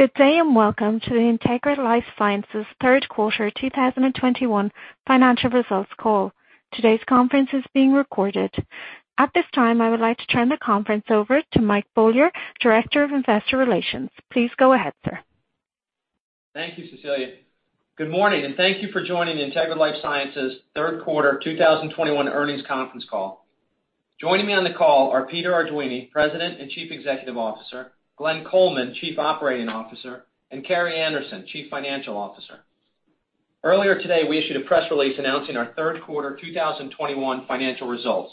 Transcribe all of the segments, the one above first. Good day, and welcome to the Integra LifeSciences Third Quarter 2021 Financial Results Call. Today's conference is being recorded. At this time, I would like to turn the conference over to Mike Beaulieu, Director of Investor Relations. Please go ahead, sir. Thank you, Cecilia. Good morning, and thank you for joining Integra LifeSciences third quarter 2021 earnings conference call. Joining me on the call are Peter Arduini, President and Chief Executive Officer, Glenn Coleman, Chief Operating Officer, and Carrie Anderson, Chief Financial Officer. Earlier today, we issued a press release announcing our third quarter 2021 financial results.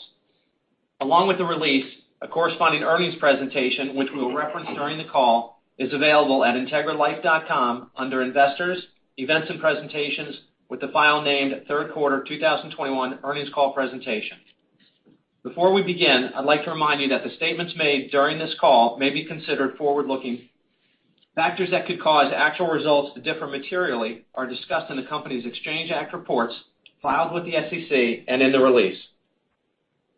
Along with the release, a corresponding earnings presentation, which we'll reference during the call, is available at integralife.com under Investors, Events and Presentations, with the file name Third Quarter 2021 Earnings Call Presentation. Before we begin, I'd like to remind you that the statements made during this call may be considered forward-looking. Factors that could cause actual results to differ materially are discussed in the company's Exchange Act reports filed with the SEC and in the release.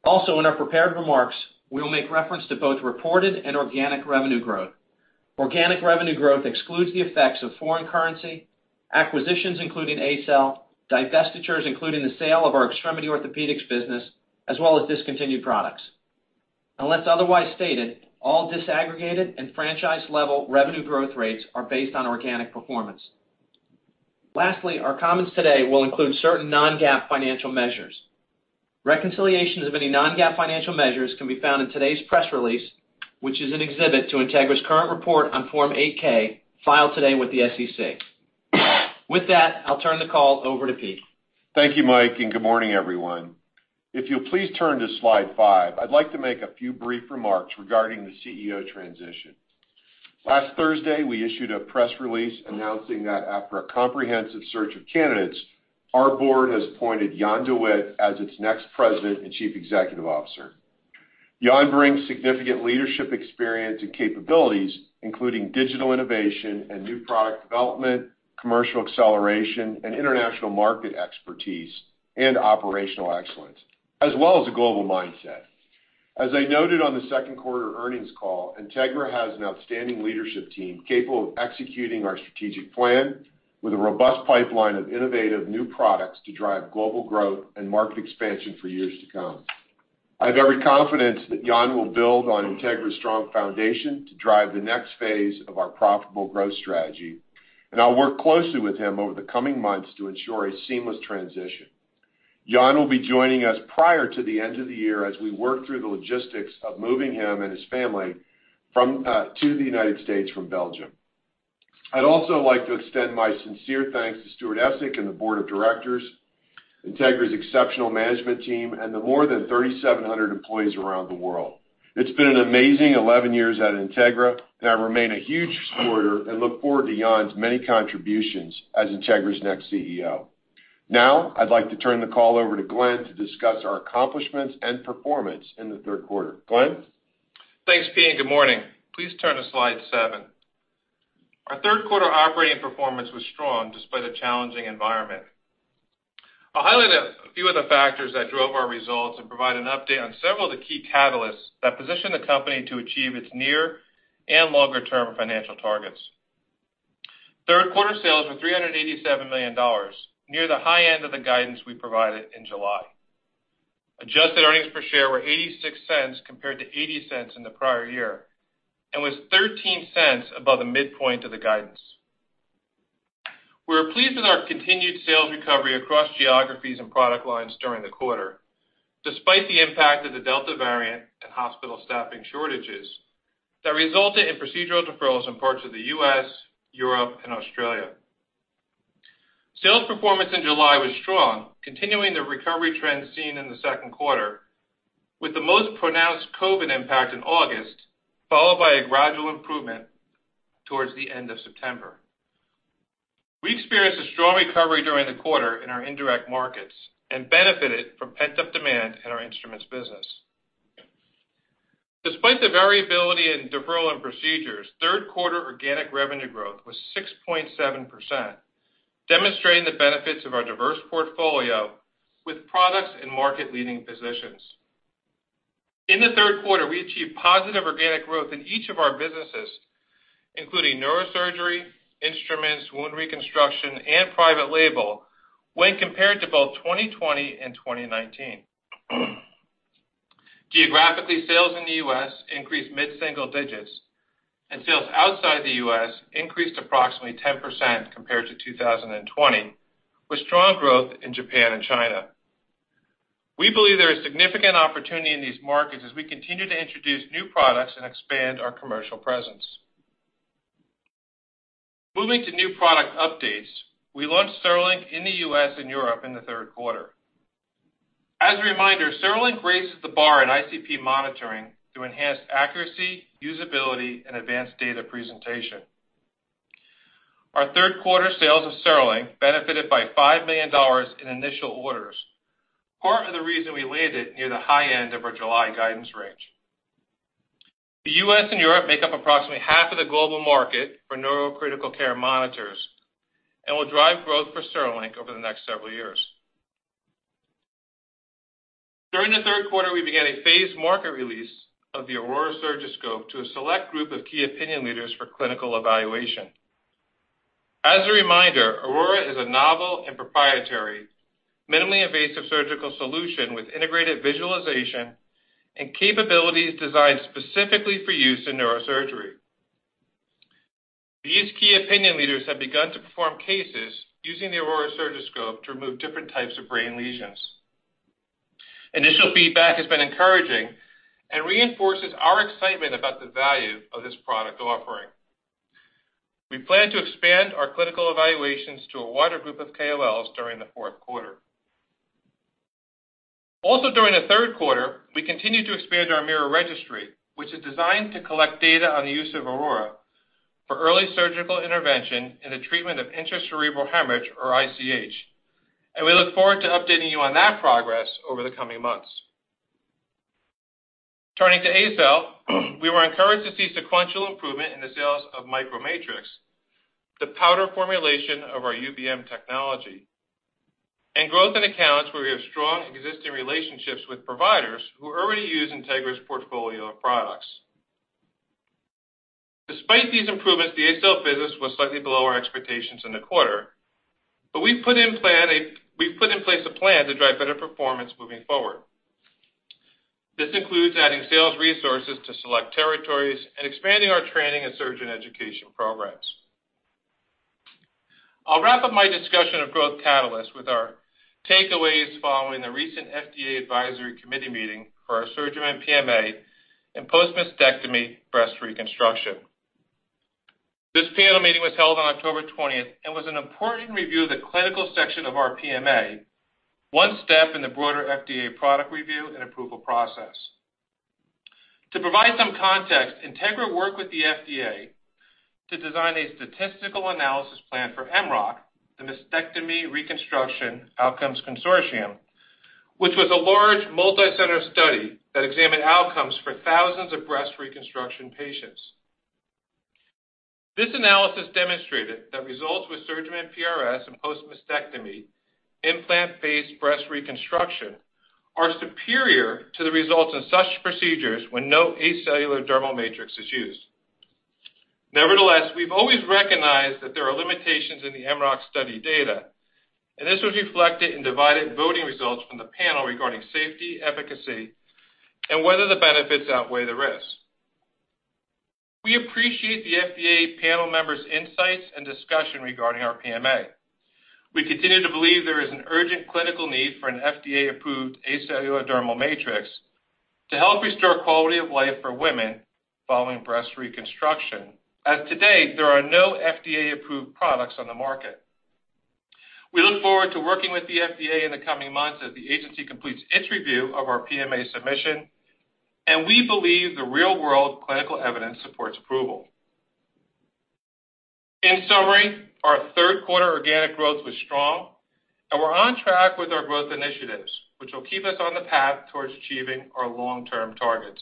Also, in our prepared remarks, we will make reference to both reported and organic revenue growth. Organic revenue growth excludes the effects of foreign currency, acquisitions including ACell, divestitures including the sale of our extremity orthopedics business, as well as discontinued products. Unless otherwise stated, all disaggregated and franchise-level revenue growth rates are based on organic performance. Lastly, our comments today will include certain non-GAAP financial measures. Reconciliation of any non-GAAP financial measures can be found in today's press release, which is an exhibit to Integra's current report on Form 8-K filed today with the SEC. With that, I'll turn the call over to Pete. Thank you, Mike, and good morning, everyone. If you'll please turn to slide five, I'd like to make a few brief remarks regarding the CEO transition. Last Thursday, we issued a press release announcing that after a comprehensive search of candidates, our board has appointed Jan De Witte as its next President and Chief Executive Officer. Jan brings significant leadership experience and capabilities, including digital innovation and new product development, commercial acceleration and international market expertise and operational excellence, as well as a global mindset. As I noted on the second quarter earnings call, Integra has an outstanding leadership team capable of executing our strategic plan with a robust pipeline of innovative new products to drive global growth and market expansion for years to come. I have every confidence that Jan will build on Integra's strong foundation to drive the next phase of our profitable growth strategy, and I'll work closely with him over the coming months to ensure a seamless transition. Jan will be joining us prior to the end of the year as we work through the logistics of moving him and his family to the United States from Belgium. I'd also like to extend my sincere thanks to Stuart Essig and the board of directors, Integra's exceptional management team and the more than 3,700 employees around the world. It's been an amazing 11 years at Integra, and I remain a huge supporter and look forward to Jan's many contributions as Integra's next CEO. Now, I'd like to turn the call over to Glenn to discuss our accomplishments and performance in the third quarter. Glenn? Thanks, Pete, and good morning. Please turn to slide seven. Our third quarter operating performance was strong despite a challenging environment. I'll highlight a few of the factors that drove our results and provide an update on several of the key catalysts that position the company to achieve its near and longer-term financial targets. Third quarter sales were $387 million, near the high end of the guidance we provided in July. Adjusted earnings per share were $0.86 compared to $0.80 in the prior year and was $0.13 above the midpoint of the guidance. We're pleased with our continued sales recovery across geographies and product lines during the quarter, despite the impact of the Delta variant and hospital staffing shortages that resulted in procedural deferrals in parts of the U.S., Europe, and Australia. Sales performance in July was strong, continuing the recovery trend seen in the second quarter, with the most pronounced COVID impact in August, followed by a gradual improvement towards the end of September. We experienced a strong recovery during the quarter in our indirect markets and benefited from pent-up demand in our instruments business. Despite the variability in deferral and procedures, third quarter organic revenue growth was 6.7%, demonstrating the benefits of our diverse portfolio with products and market-leading positions. In the third quarter, we achieved positive organic growth in each of our businesses, including neurosurgery, instruments, wound reconstruction and private label when compared to both 2020 and 2019. Geographically, sales in the U.S. increased mid-single digits and sales outside the U.S. increased approximately 10% compared to 2020, with strong growth in Japan and China. We believe there is significant opportunity in these markets as we continue to introduce new products and expand our commercial presence. Moving to new product updates. We launched CereLink in the U.S. and Europe in the third quarter. As a reminder, CereLink raises the bar in ICP monitoring through enhanced accuracy, usability and advanced data presentation. Our third quarter sales of CereLink benefited by $5 million in initial orders, part of the reason we landed near the high end of our July guidance range. The U.S. and Europe make up approximately half of the global market for neurocritical care monitors and will drive growth for CereLink over the next several years. During the third quarter, we began a phased market release of the Aurora SurgiScope to a select group of key opinion leaders for clinical evaluation. As a reminder, Aurora is a novel and proprietary minimally invasive surgical solution with integrated visualization and capabilities designed specifically for use in neurosurgery. These key opinion leaders have begun to perform cases using the Aurora Surgiscope to remove different types of brain lesions. Initial feedback has been encouraging and reinforces our excitement about the value of this product offering. We plan to expand our clinical evaluations to a wider group of KOLs during the fourth quarter. Also during the third quarter, we continued to expand our MIRA registry, which is designed to collect data on the use of Aurora for early surgical intervention in the treatment of intracerebral hemorrhage or ICH. We look forward to updating you on that progress over the coming months. Turning to ACell, we were encouraged to see sequential improvement in the sales of MicroMatrix, the powder formulation of our UBM technology, and growth in accounts where we have strong existing relationships with providers who already use Integra's portfolio of products. Despite these improvements, the ACell business was slightly below our expectations in the quarter, but we've put in place a plan to drive better performance moving forward. This includes adding sales resources to select territories and expanding our training and surgeon education programs. I'll wrap up my discussion of growth catalysts with our takeaways following the recent FDA Advisory Committee meeting for our SurgiMend PMA in post-mastectomy breast reconstruction. This panel meeting was held on October 20th, and was an important review of the clinical section of our PMA, one step in the broader FDA product review and approval process. To provide some context, Integra worked with the FDA to design a statistical analysis plan for MROC, the Mastectomy Reconstruction Outcomes Consortium, which was a large multi-center study that examined outcomes for thousands of breast reconstruction patients. This analysis demonstrated that results with SurgiMend PRS and post-mastectomy implant-based breast reconstruction are superior to the results in such procedures when no acellular dermal matrix is used. Nevertheless, we've always recognized that there are limitations in the MROC study data, and this was reflected in divided voting results from the panel regarding safety, efficacy, and whether the benefits outweigh the risks. We appreciate the FDA panel members' insights and discussion regarding our PMA. We continue to believe there is an urgent clinical need for an FDA-approved acellular dermal matrix to help restore quality of life for women following breast reconstruction. As of today, there are no FDA-approved products on the market. We look forward to working with the FDA in the coming months as the agency completes its review of our PMA submission, and we believe the real-world clinical evidence supports approval. In summary, our third quarter organic growth was strong, and we're on track with our growth initiatives, which will keep us on the path towards achieving our long-term targets.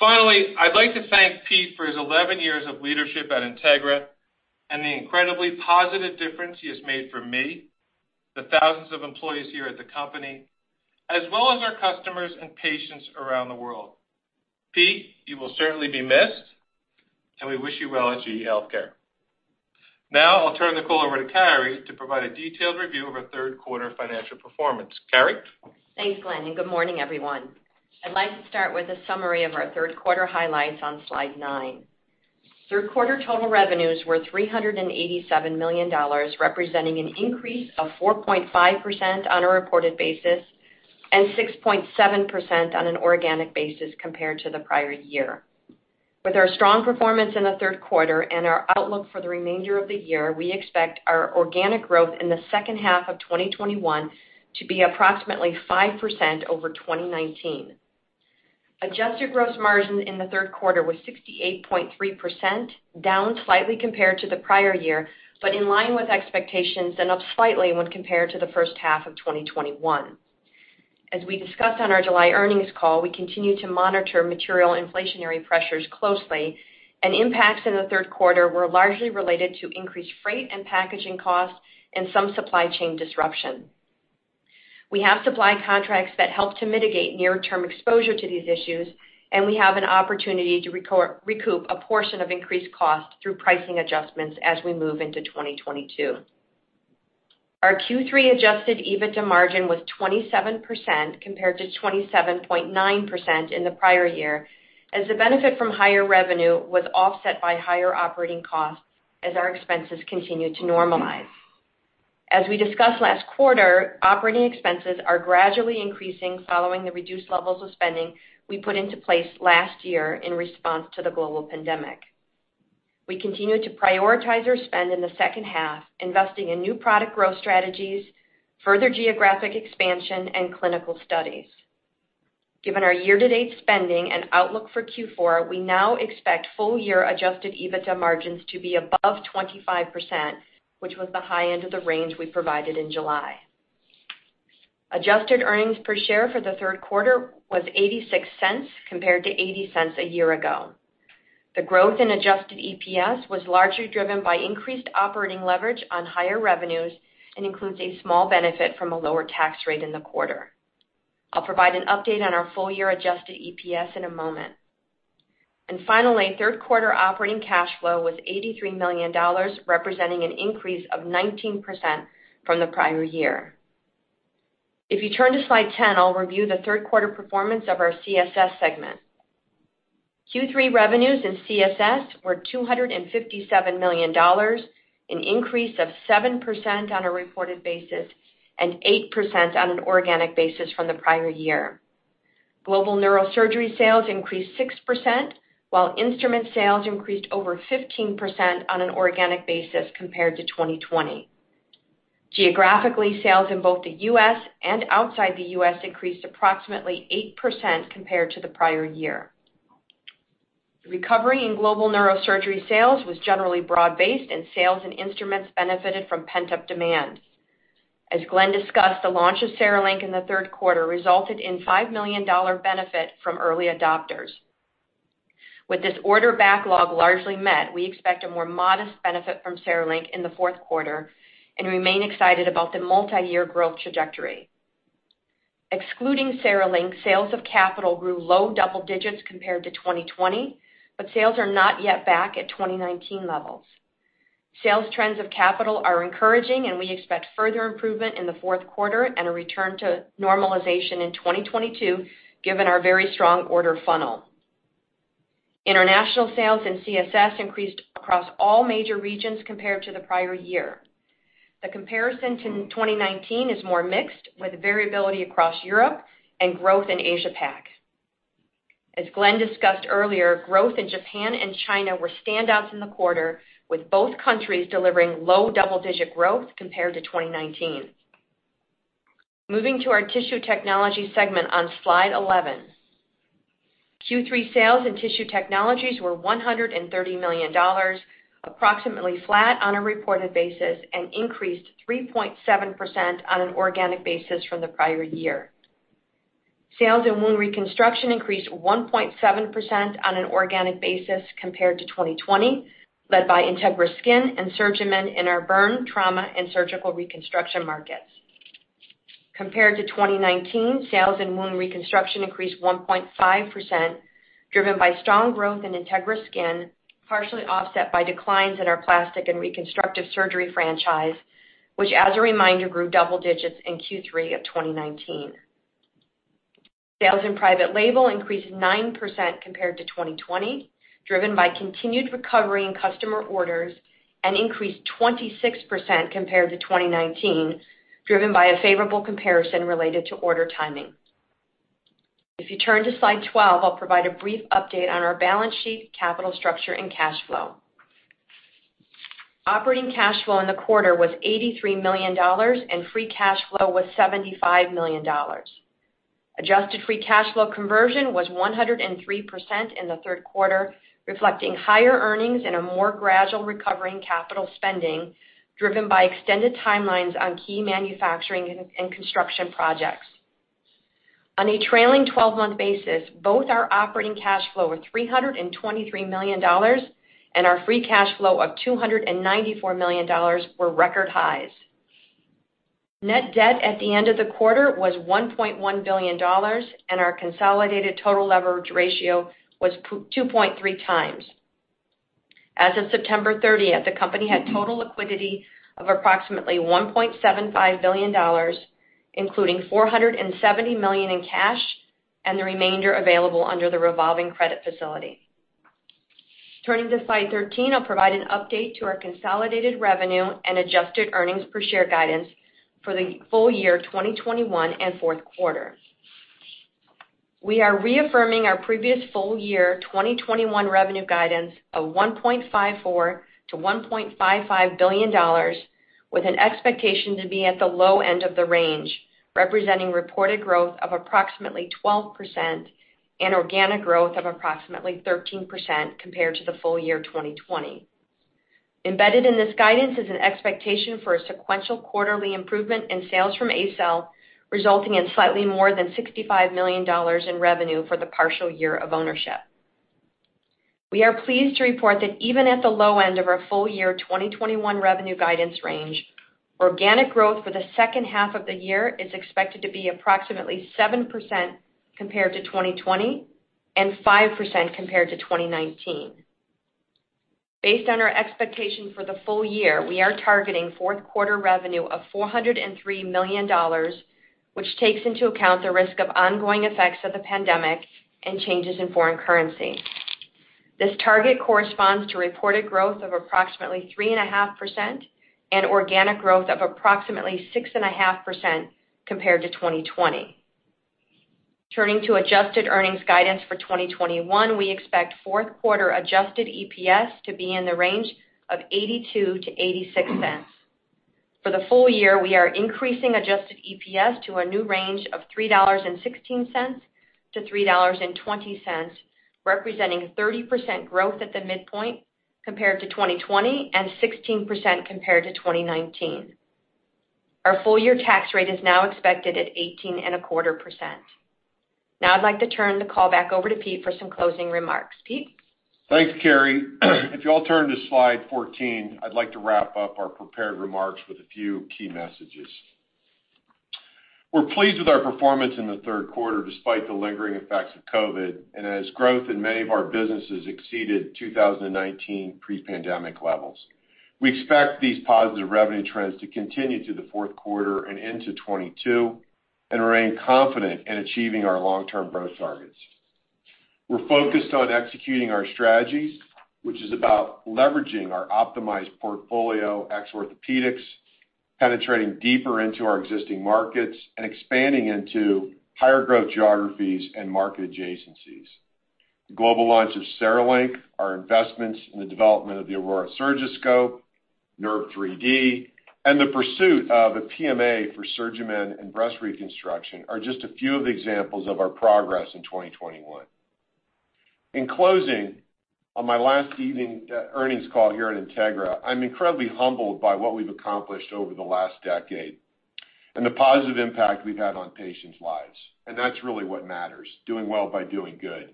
Finally, I'd like to thank Pete for his 11 years of leadership at Integra and the incredibly positive difference he has made for me, the thousands of employees here at the company, as well as our customers and patients around the world. Pete, you will certainly be missed, and we wish you well at GE HealthCare. Now, I'll turn the call over to Carrie to provide a detailed review of our third quarter financial performance. Carrie? Thanks, Glenn, and good morning, everyone. I'd like to start with a summary of our third quarter highlights on slide nine. Third quarter total revenues were $387 million, representing an increase of 4.5% on a reported basis and 6.7% on an organic basis compared to the prior year. With our strong performance in the third quarter and our outlook for the remainder of the year, we expect our organic growth in the second half of 2021 to be approximately 5% over 2019. Adjusted gross margin in the third quarter was 68.3%, down slightly compared to the prior year, but in line with expectations and up slightly when compared to the first half of 2021. As we discussed on our July earnings call, we continue to monitor material inflationary pressures closely, and impacts in the third quarter were largely related to increased freight and packaging costs and some supply chain disruption. We have supply contracts that help to mitigate near-term exposure to these issues, and we have an opportunity to recoup a portion of increased costs through pricing adjustments as we move into 2022. Our Q3 adjusted EBITDA margin was 27% compared to 27.9% in the prior year, as the benefit from higher revenue was offset by higher operating costs as our expenses continued to normalize. As we discussed last quarter, operating expenses are gradually increasing following the reduced levels of spending we put into place last year in response to the global pandemic. We continued to prioritize our spend in the second half, investing in new product growth strategies, further geographic expansion, and clinical studies. Given our year-to-date spending and outlook for Q4, we now expect full-year adjusted EBITDA margins to be above 25%, which was the high end of the range we provided in July. Adjusted earnings per share for the third quarter was $0.86 compared to $0.80 a year ago. The growth in adjusted EPS was largely driven by increased operating leverage on higher revenues and includes a small benefit from a lower tax rate in the quarter. I'll provide an update on our full year adjusted EPS in a moment. Finally, third quarter operating cash flow was $83 million, representing an increase of 19% from the prior year. If you turn to slide 10, I'll review the third quarter performance of our CSS segment. Q3 revenues in CSS were $257 million, an increase of 7% on a reported basis and 8% on an organic basis from the prior year. Global neurosurgery sales increased 6%, while instrument sales increased over 15% on an organic basis compared to 2020. Geographically, sales in both the U.S. and outside the U.S. increased approximately 8% compared to the prior year. The recovery in global neurosurgery sales was generally broad-based, and sales and instruments benefited from pent-up demand. As Glenn discussed, the launch of CereLink in the third quarter resulted in $5 million benefit from early adopters. With this order backlog largely met, we expect a more modest benefit from CereLink in the fourth quarter and remain excited about the multiyear growth trajectory. Excluding CereLink, sales of capital grew low double digits compared to 2020, but sales are not yet back at 2019 levels. Sales trends of capital are encouraging, and we expect further improvement in the fourth quarter and a return to normalization in 2022, given our very strong order funnel. International sales in CSS increased across all major regions compared to the prior year. The comparison to 2019 is more mixed, with variability across Europe and growth in Asia Pac. As Glenn discussed earlier, growth in Japan and China were standouts in the quarter, with both countries delivering low double-digit growth compared to 2019. Moving to our Tissue Technologies segment on slide 11. Q3 sales in Tissue Technologies were $130 million, approximately flat on a reported basis and increased 3.7% on an organic basis from the prior year. Sales in wound reconstruction increased 1.7% on an organic basis compared to 2020, led by Integra Skin and SurgiMend in our burn, trauma, and surgical reconstruction markets. Compared to 2019, sales in wound reconstruction increased 1.5%, driven by strong growth in Integra Skin, partially offset by declines in our plastic and reconstructive surgery franchise, which, as a reminder, grew double digits in Q3 of 2019. Sales in private label increased 9% compared to 2020, driven by continued recovery in customer orders, and increased 26% compared to 2019, driven by a favorable comparison related to order timing. If you turn to slide 12, I'll provide a brief update on our balance sheet, capital structure, and cash flow. Operating cash flow in the quarter was $83 million, and free cash flow was $75 million. Adjusted free cash flow conversion was 103% in the third quarter, reflecting higher earnings and a more gradual recovery in capital spending, driven by extended timelines on key manufacturing and construction projects. On a trailing twelve-month basis, both our operating cash flow of $323 million and our free cash flow of $294 million were record highs. Net debt at the end of the quarter was $1.1 billion, and our consolidated total leverage ratio was 2.3x. As of September 30th, the company had total liquidity of approximately $1.75 billion, including $470 million in cash and the remainder available under the revolving credit facility. Turning to slide 13, I'll provide an update to our consolidated revenue and adjusted earnings per share guidance for the full year 2021 and fourth quarter. We are reaffirming our previous full year 2021 revenue guidance of $1.54 billion-$1.55 billion with an expectation to be at the low end of the range, representing reported growth of approximately 12% and organic growth of approximately 13% compared to the full year 2020. Embedded in this guidance is an expectation for a sequential quarterly improvement in sales from ACell, resulting in slightly more than $65 million in revenue for the partial year of ownership. We are pleased to report that even at the low end of our full year 2021 revenue guidance range, organic growth for the second half of the year is expected to be approximately 7% compared to 2020 and 5% compared to 2019. Based on our expectation for the full year, we are targeting fourth quarter revenue of $403 million, which takes into account the risk of ongoing effects of the pandemic and changes in foreign currency. This target corresponds to reported growth of approximately 3.5% and organic growth of approximately 6.5% compared to 2020. Turning to adjusted earnings guidance for 2021, we expect fourth quarter adjusted EPS to be in the range of $0.82-$0.86. For the full year, we are increasing adjusted EPS to a new range of $3.16-$3.20, representing 30% growth at the midpoint compared to 2020 and 16% compared to 2019. Our full year tax rate is now expected at 18.25%. Now I'd like to turn the call back over to Pete for some closing remarks. Pete? Thanks, Carrie. If you all turn to slide 14, I'd like to wrap up our prepared remarks with a few key messages. We're pleased with our performance in the third quarter, despite the lingering effects of COVID, and as growth in many of our businesses exceeded 2019 pre-pandemic levels. We expect these positive revenue trends to continue through the fourth quarter and into 2022, and remain confident in achieving our long-term growth targets. We're focused on executing our strategies, which is about leveraging our optimized portfolio, exiting orthopedics, penetrating deeper into our existing markets and expanding into higher growth geographies and market adjacencies. The global launch of CereLink, our investments in the development of the Aurora Surgiscope, NeuraGen 3D, and the pursuit of a PMA for SurgiMend and breast reconstruction are just a few of the examples of our progress in 2021. In closing, on my last earnings call here at Integra, I'm incredibly humbled by what we've accomplished over the last decade and the positive impact we've had on patients' lives, and that's really what matters, doing well by doing good.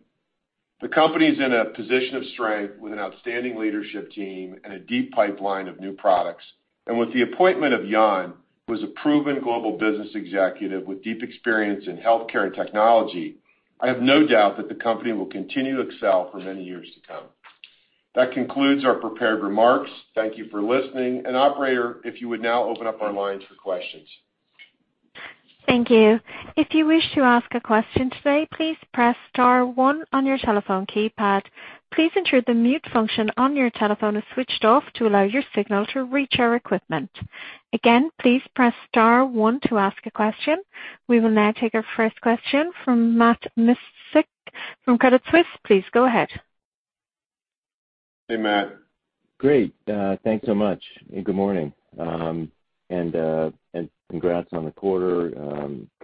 The company is in a position of strength with an outstanding leadership team and a deep pipeline of new products. With the appointment of Jan, who is a proven global business executive with deep experience in healthcare and technology, I have no doubt that the company will continue to excel for many years to come. That concludes our prepared remarks. Thank you for listening. Operator, if you would now open up our lines for questions. Thank you. If you wish to ask a question today, please press star one on your telephone keypad. Please ensure the mute function on your telephone is switched off to allow your signal to reach our equipment. Again, please press star one to ask a question. We will now take our first question from Matt Miksic from Credit Suisse. Please go ahead. Hey, Matt. Great. Thanks so much. Good morning. Congrats on the quarter.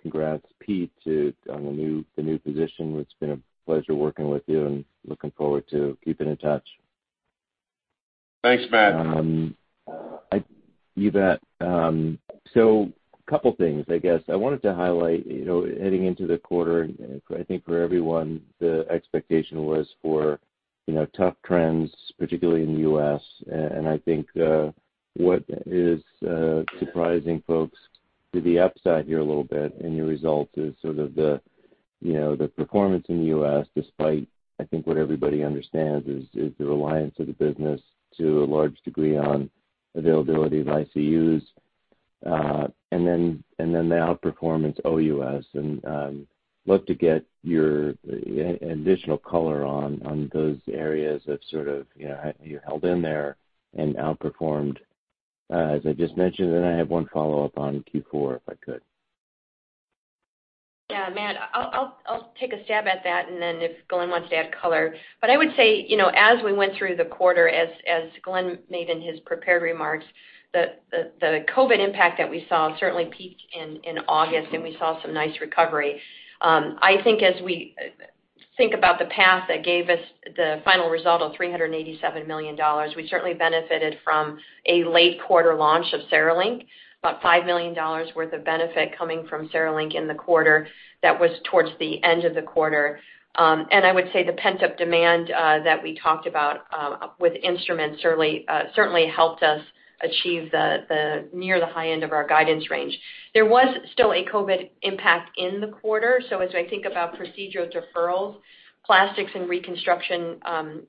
Congrats, Pete, on the new position. It's been a pleasure working with you, and looking forward to keeping in touch. Thanks, Matt. You bet. A couple of things, I guess. I wanted to highlight, you know, heading into the quarter, I think for everyone, the expectation was for, you know, tough trends, particularly in the U.S. I think what is surprising folks to the upside here a little bit in your results is sort of the, you know, the performance in the U.S., despite, I think what everybody understands is the reliance of the business to a large degree on availability of ICUs, and then the outperformance OUS. Love to get your additional color on those areas that sort of, you know, you held in there and outperformed, as I just mentioned. Then I have one follow-up on Q4, if I could. Yeah, Matt, I'll take a stab at that, and then if Glenn wants to add color. I would say, you know, as we went through the quarter, as Glenn made in his prepared remarks, the COVID impact that we saw certainly peaked in August, and we saw some nice recovery. I think as we think about the path that gave us the final result of $387 million, we certainly benefited from a late-quarter launch of CereLink, about $5 million worth of benefit coming from CereLink in the quarter that was towards the end of the quarter. I would say the pent-up demand that we talked about with instruments certainly helped us achieve near the high end of our guidance range. There was still a COVID impact in the quarter. As I think about procedural deferrals, plastics and reconstruction, and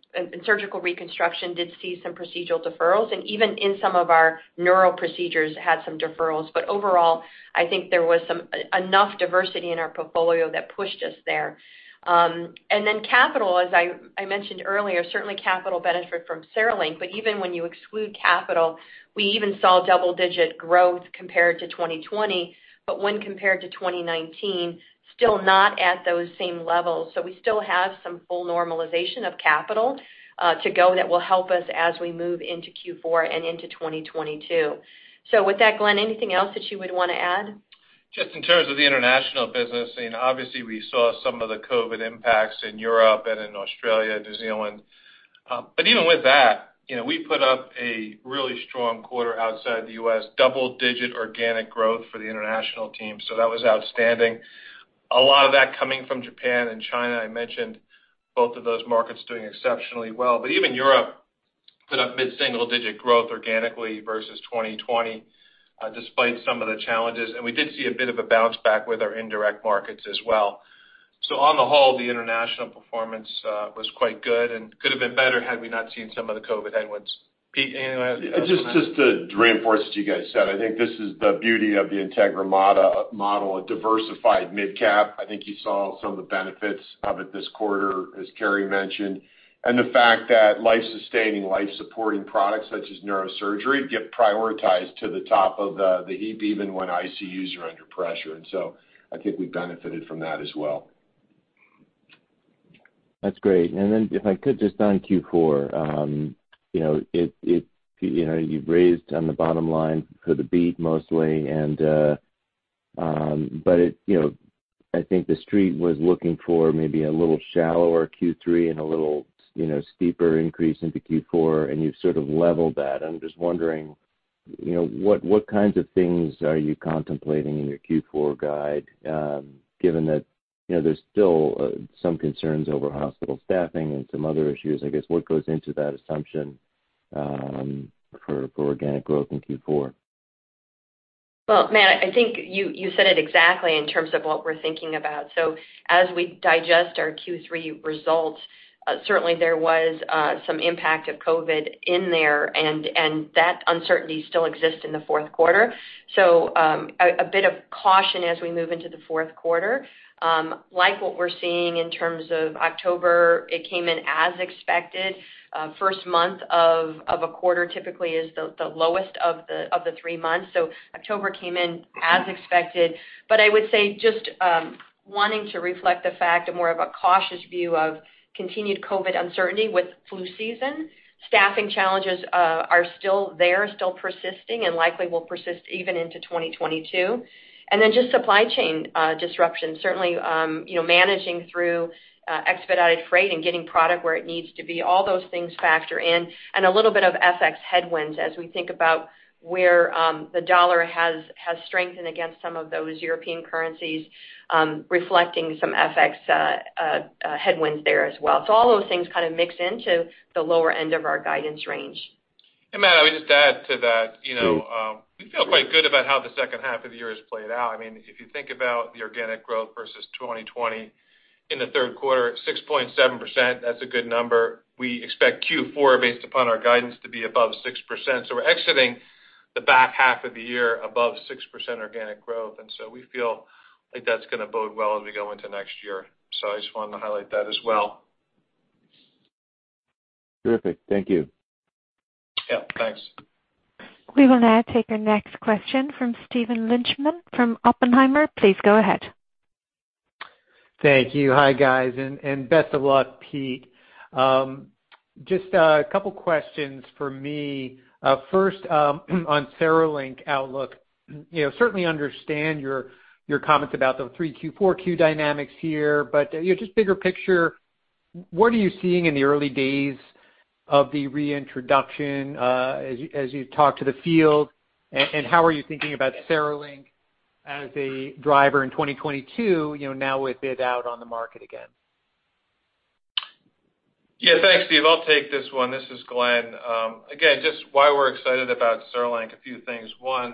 surgical reconstruction did see some procedural deferrals. Even in some of our neural procedures had some deferrals. Overall, I think there was enough diversity in our portfolio that pushed us there. Then capital, as I mentioned earlier, certainly benefited from CereLink. Even when you exclude capital, we even saw double-digit growth compared to 2020. When compared to 2019, still not at those same levels. We still have some full normalization of capital to go that will help us as we move into Q4 and into 2022. With that, Glenn, anything else that you would want to add? Just in terms of the international business, you know, obviously, we saw some of the COVID impacts in Europe and in Australia, New Zealand. But even with that, you know, we put up a really strong quarter outside the U.S., double-digit organic growth for the international team. That was outstanding. A lot of that coming from Japan and China. I mentioned both of those markets doing exceptionally well. Even Europe put up mid-single digit growth organically versus 2020, despite some of the challenges. We did see a bit of a bounce back with our indirect markets as well. On the whole, the international performance was quite good and could have been better had we not seen some of the COVID headwinds. Pete, anything you wanna add to that? Just to reinforce what you guys said, I think this is the beauty of the Integra model, a diversified midcap. I think you saw some of the benefits of it this quarter, as Carrie mentioned, and the fact that life-sustaining, life-supporting products such as neurosurgery get prioritized to the top of the heap even when ICUs are under pressure. I think we benefited from that as well. That's great. If I could just on Q4, you know, it you know, you've raised on the bottom line for the beat mostly and, you know, I think the street was looking for maybe a little shallower Q3 and a little, you know, steeper increase into Q4, and you've sort of leveled that. I'm just wondering, you know, what kinds of things are you contemplating in your Q4 guide, given that, you know, there's still some concerns over hospital staffing and some other issues, I guess, what goes into that assumption, for organic growth in Q4? Well, Matt, I think you said it exactly in terms of what we're thinking about. As we digest our Q3 results, certainly there was some impact of COVID in there, and that uncertainty still exists in the fourth quarter. A bit of caution as we move into the fourth quarter. Like what we're seeing in terms of October, it came in as expected. First month of a quarter typically is the lowest of the three months. October came in as expected. I would say just wanting to reflect the fact and more of a cautious view of continued COVID uncertainty with flu season. Staffing challenges are still there, still persisting and likely will persist even into 2022. Just supply chain disruption, certainly, you know, managing through expedited freight and getting product where it needs to be. All those things factor in, and a little bit of FX headwinds as we think about where the dollar has strengthened against some of those European currencies, reflecting some FX headwinds there as well. All those things kind of mix into the lower end of our guidance range. Matt, I would just add to that. You know, we feel quite good about how the second half of the year has played out. I mean, if you think about the organic growth versus 2020 in the third quarter, 6.7%, that's a good number. We expect Q4, based upon our guidance, to be above 6%. We're exiting the back half of the year above 6% organic growth. I just wanted to highlight that as well. Terrific. Thank you. Yeah, thanks. We will now take our next question from Steven Lichtman from Oppenheimer. Please go ahead. Thank you. Hi, guys. Best of luck, Pete. Just a couple questions for me. First, on CereLink outlook. You know, certainly understand your comments about the Q3, Q4 dynamics here, but you know, just bigger picture, what are you seeing in the early days of the reintroduction, as you talk to the field, and how are you thinking about CereLink as a driver in 2022, you know, now with it out on the market again? Yeah, thanks, Steve. I'll take this one. This is Glenn. Again, just why we're excited about CereLink, a few things. One,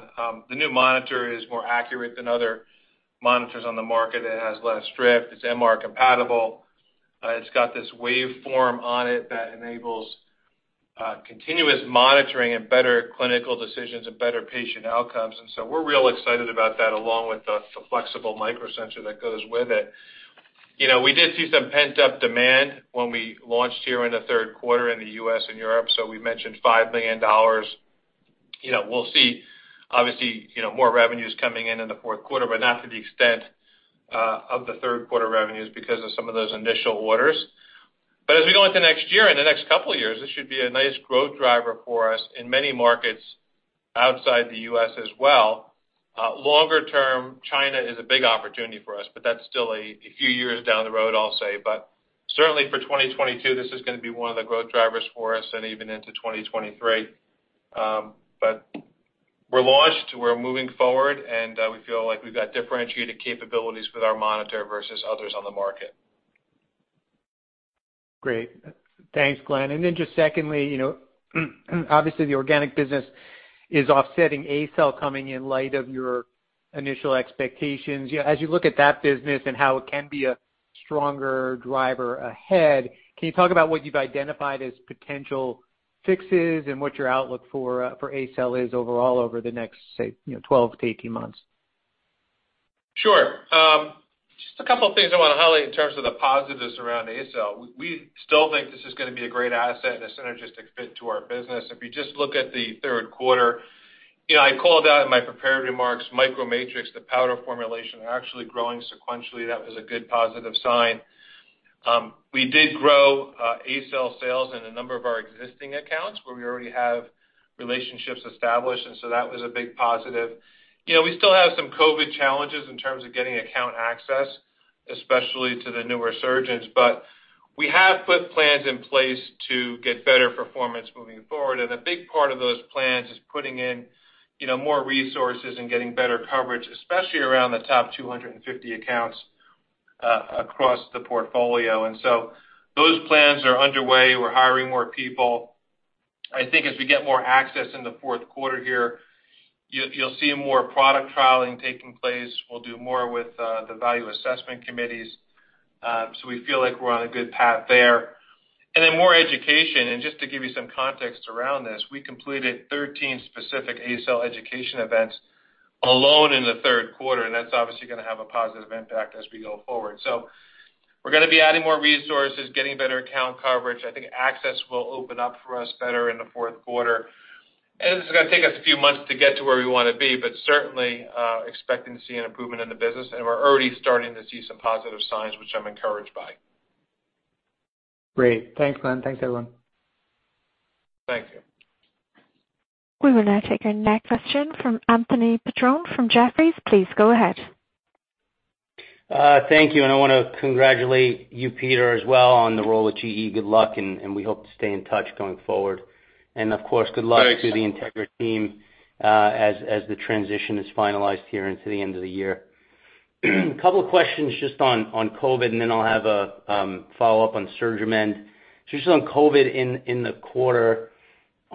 the new monitor is more accurate than other monitors on the market. It has less drift, it's MR compatible. It's got this waveform on it that enables continuous monitoring and better clinical decisions and better patient outcomes. We're real excited about that along with the flexible microsensor that goes with it. You know, we did see some pent-up demand when we launched here in the third quarter in the U.S. and Europe, so we mentioned $5 million. You know, we'll see obviously, you know, more revenues coming in in the fourth quarter, but not to the extent of the third quarter revenues because of some of those initial orders. As we go into next year and the next couple of years, this should be a nice growth driver for us in many markets outside the U.S. as well. Longer term, China is a big opportunity for us, but that's still a few years down the road, I'll say. Certainly for 2022, this is gonna be one of the growth drivers for us and even into 2023. We're launched, we're moving forward, and we feel like we've got differentiated capabilities with our monitor versus others on the market. Great. Thanks, Glenn. Just secondly, you know, obviously, the organic business is offsetting ACell coming in light of your initial expectations. You know, as you look at that business and how it can be a stronger driver ahead, can you talk about what you've identified as potential fixes and what your outlook for for ACell is overall over the next, say, you know, 12 to 18 months? Sure. Just a couple of things I wanna highlight in terms of the positives around ACell. We still think this is gonna be a great asset and a synergistic fit to our business. If you just look at the third quarter, you know, I called out in my prepared remarks, MicroMatrix, the powder formulation, are actually growing sequentially. That was a good positive sign. We did grow ACell sales in a number of our existing accounts where we already have relationships established, and so that was a big positive. You know, we still have some COVID challenges in terms of getting account access, especially to the newer surgeons, but we have put plans in place to get better performance moving forward. A big part of those plans is putting in, you know, more resources and getting better coverage, especially around the top 250 accounts across the portfolio. Those plans are underway. We're hiring more people. I think as we get more access in the fourth quarter here, you'll see more product trialing taking place. We'll do more with the value assessment committees. We feel like we're on a good path there. More education. Just to give you some context around this, we completed 13 specific ACell education events alone in the third quarter, and that's obviously gonna have a positive impact as we go forward. We're gonna be adding more resources, getting better account coverage. I think access will open up for us better in the fourth quarter. This is gonna take us a few months to get to where we wanna be, but certainly, expecting to see an improvement in the business. We're already starting to see some positive signs, which I'm encouraged by. Great. Thanks, Glenn. Thanks, everyone. Thank you. We will now take our next question from Anthony Petrone from Jefferies. Please go ahead. Thank you, and I want to congratulate you, Peter, as well on the role at GE. Good luck, and we hope to stay in touch going forward. Of course, good luck. Thanks. To the Integra team, as the transition is finalized here into the end of the year. Couple of questions just on COVID, and then I'll have a follow-up on SurgiMend. Just on COVID in the quarter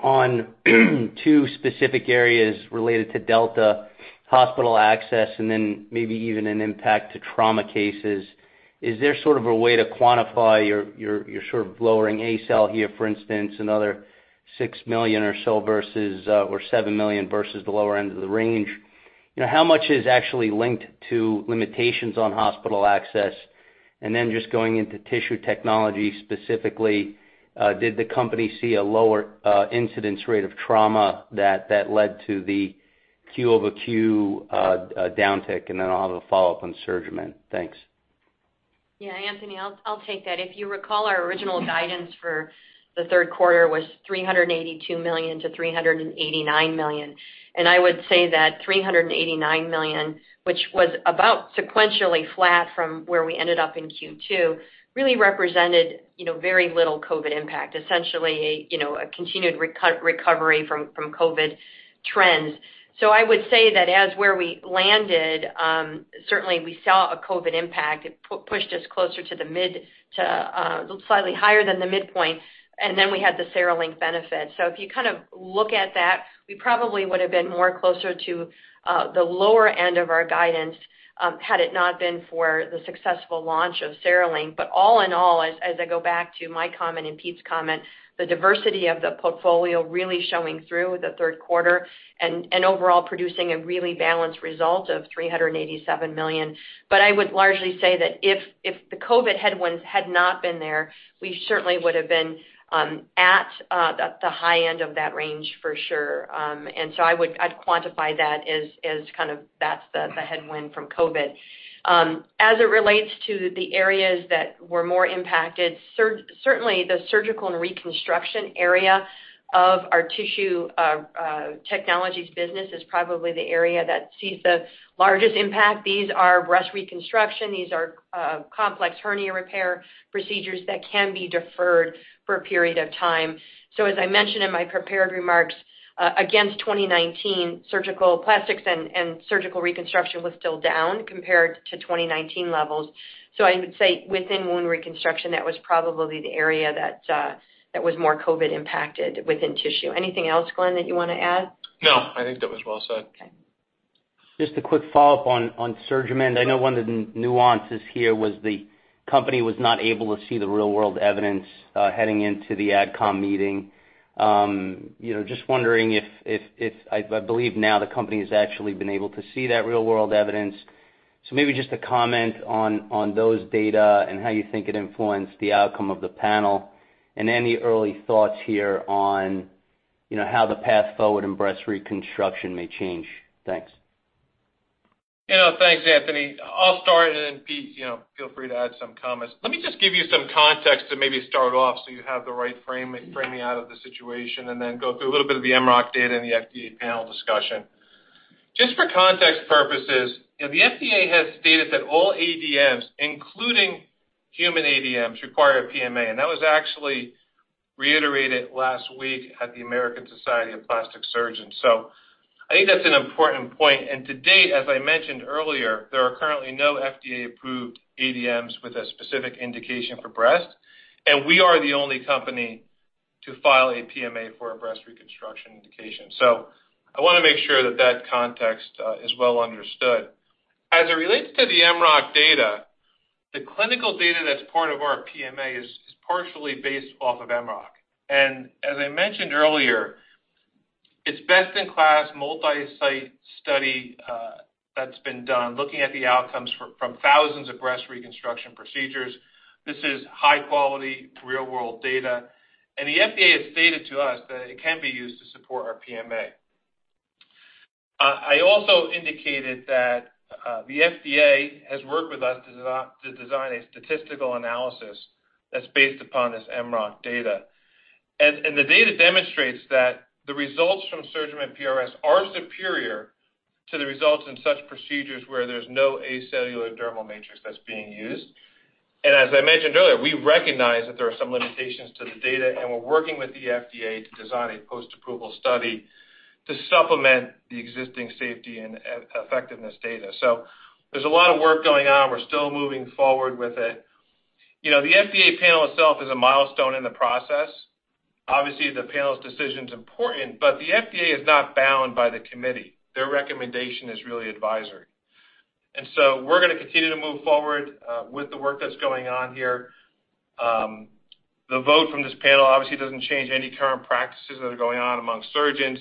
on two specific areas related to Delta hospital access and then maybe even an impact to trauma cases. Is there sort of a way to quantify your sort of lowering ACell here, for instance, another $6 million or so versus or $7 million versus the lower end of the range? You know, how much is actually linked to limitations on hospital access? And then just going into Tissue Technologies specifically, did the company see a lower incidence rate of trauma that led to the Q-over-Q downtick? And then I'll have a follow-up on SurgiMend. Thanks. Yeah, Anthony, I'll take that. If you recall, our original guidance for the third quarter was $382 million-$389 million. I would say that $389 million, which was about sequentially flat from where we ended up in Q2, really represented, you know, very little COVID impact, essentially, you know, a continued recovery from COVID trends. I would say that as where we landed, certainly we saw a COVID impact. It pushed us closer to the mid- to slightly higher than the midpoint, and then we had the CereLink benefit. If you kind of look at that, we probably would have been more closer to the lower end of our guidance, had it not been for the successful launch of CereLink. All in all, as I go back to my comment and Pete's comment, the diversity of the portfolio really showing through the third quarter and overall producing a really balanced result of $387 million. I would largely say that if the COVID headwinds had not been there, we certainly would have been at the high end of that range for sure. I would quantify that as kind of that's the headwind from COVID. As it relates to the areas that were more impacted, certainly the surgical and reconstruction area of our Tissue Technologies business is probably the area that sees the largest impact. These are breast reconstruction, these are complex hernia repair procedures that can be deferred for a period of time. As I mentioned in my prepared remarks, against 2019, surgical plastics and surgical reconstruction was still down compared to 2019 levels. I would say within wound reconstruction, that was probably the area that was more COVID impacted within Tissue. Anything else, Glenn, that you wanna add? No, I think that was well said. Okay. Just a quick follow-up on SurgiMend. I know one of the nuances here was the company was not able to see the real-world evidence heading into the AdCom meeting. You know, just wondering if I believe now the company has actually been able to see that real-world evidence. So maybe just a comment on those data and how you think it influenced the outcome of the panel and any early thoughts here on, you know, how the path forward in breast reconstruction may change. Thanks. Yeah. Thanks, Anthony. I'll start, and then Pete, you know, feel free to add some comments. Let me just give you some context to maybe start off so you have the right frame, framing out of the situation and then go through a little bit of the MROC data and the FDA panel discussion. Just for context purposes, you know, the FDA has stated that all ADMs, including human ADMs, require a PMA, and that was actually reiterated last week at the American Society of Plastic Surgeons. I think that's an important point. And to date, as I mentioned earlier, there are currently no FDA-approved ADMs with a specific indication for breast, and we are the only company to file a PMA for a breast reconstruction indication. I wanna make sure that that context is well understood. As it relates to the MROC data, the clinical data that's part of our PMA is partially based off of MROC. As I mentioned earlier, it's best-in-class multi-site study that's been done looking at the outcomes from thousands of breast reconstruction procedures. This is high-quality real-world data, and the FDA has stated to us that it can be used to support our PMA. I also indicated that the FDA has worked with us to design a statistical analysis that's based upon this MROC data. The data demonstrates that the results from SurgiMend PRS are superior to the results in such procedures where there's no acellular dermal matrix that's being used. As I mentioned earlier, we recognize that there are some limitations to the data, and we're working with the FDA to design a post-approval study to supplement the existing safety and effectiveness data. There's a lot of work going on. We're still moving forward with it. You know, the FDA panel itself is a milestone in the process. Obviously, the panel's decision is important, but the FDA is not bound by the committee. Their recommendation is really advisory. We're gonna continue to move forward with the work that's going on here. The vote from this panel obviously doesn't change any current practices that are going on among surgeons.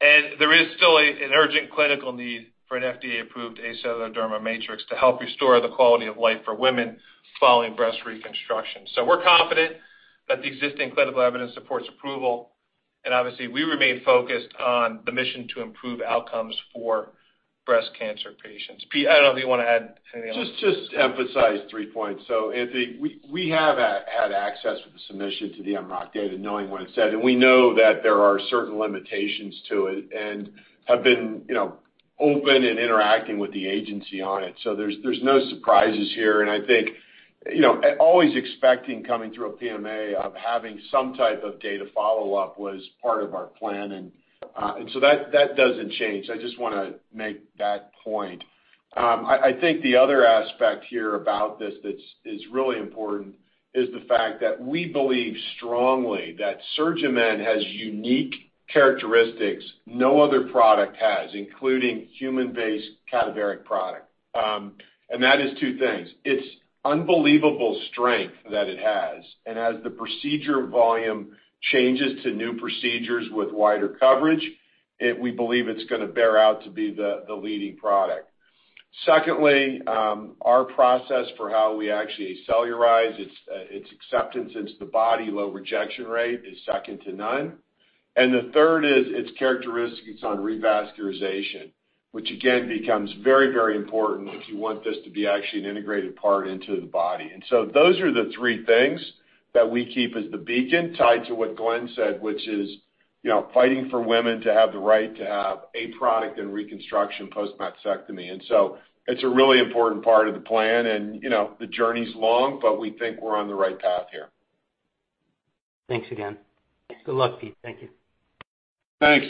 There is still an urgent clinical need for an FDA-approved acellular dermal matrix to help restore the quality of life for women following breast reconstruction. We're confident that the existing clinical evidence supports approval. Obviously, we remain focused on the mission to improve outcomes for breast cancer patients. Pete, I don't know if you wanna add anything else. Just to emphasize three points. Anthony, we have had access with the submission to the MROC data, knowing what it said, and we know that there are certain limitations to it, and have been, you know, open and interacting with the agency on it. There's no surprises here. I think, you know, always expecting coming through a PMA of having some type of data follow-up was part of our plan. And so that doesn't change. I just wanna make that point. I think the other aspect here about this that's really important is the fact that we believe strongly that SurgiMend has unique characteristics no other product has, including human-based cadaveric product. And that is two things. It's unbelievable strength that it has. As the procedure volume changes to new procedures with wider coverage, we believe it's gonna bear out to be the leading product. Secondly, our process for how we actually cellularize, its acceptance into the body, low rejection rate is second to none. The third is its characteristics on revascularization, which again becomes very, very important if you want this to be actually an integrated part into the body. Those are the three things that we keep as the beacon tied to what Glenn said, which is, you know, fighting for women to have the right to have a product and reconstruction post-mastectomy. It's a really important part of the plan and, you know, the journey's long, but we think we're on the right path here. Thanks again. Yes. Good luck, Pete. Thank you. Thanks.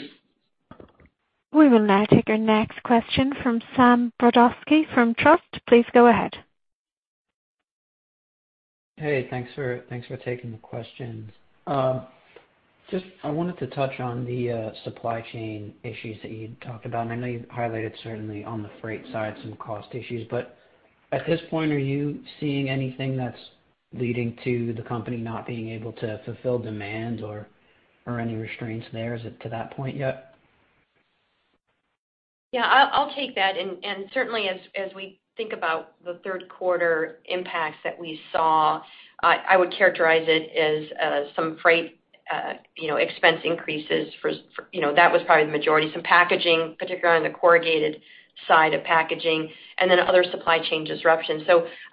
We will now take our next question from Sam Brodovsky from Truist. Please go ahead. Hey, thanks for taking the questions. Just, I wanted to touch on the supply chain issues that you'd talked about, and I know you've highlighted certainly on the freight side some cost issues. At this point, are you seeing anything that's leading to the company not being able to fulfill demand or any restraints there? Is it to that point yet? Yeah, I'll take that. Certainly as we think about the third quarter impacts that we saw, I would characterize it as some freight, you know, expense increases, you know, that was probably the majority. Some packaging, particularly on the corrugated side of packaging, and then other supply chain disruptions.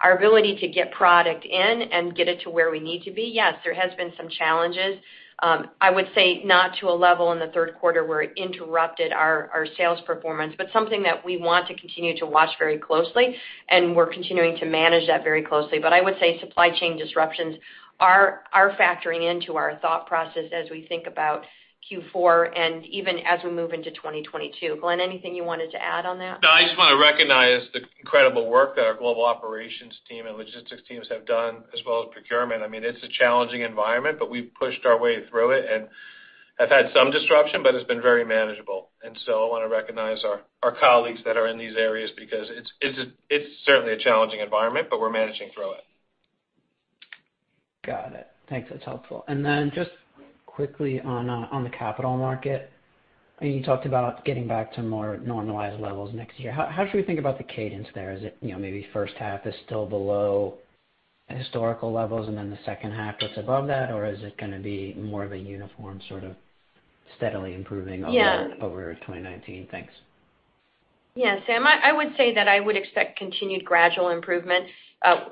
Our ability to get product in and get it to where we need to be, yes, there has been some challenges. I would say not to a level in the third quarter where it interrupted our sales performance, but something that we want to continue to watch very closely, and we're continuing to manage that very closely. I would say supply chain disruptions are factoring into our thought process as we think about Q4 and even as we move into 2022. Glenn, anything you wanted to add on that? No, I just wanna recognize the incredible work that our global operations team and logistics teams have done, as well as procurement. I mean, it's a challenging environment, but we've pushed our way through it and have had some disruption, but it's been very manageable. I wanna recognize our colleagues that are in these areas because it's certainly a challenging environment, but we're managing through it. Got it. Thanks. That's helpful. Just quickly on the capital market. I mean, you talked about getting back to more normalized levels next year. How should we think about the cadence there? Is it, you know, maybe first half is still below historical levels, and then the second half it's above that? Or is it gonna be more of a uniform sort of steadily improving? Yeah. Over 2019? Thanks. Yeah, Sam, I would say that I would expect continued gradual improvement.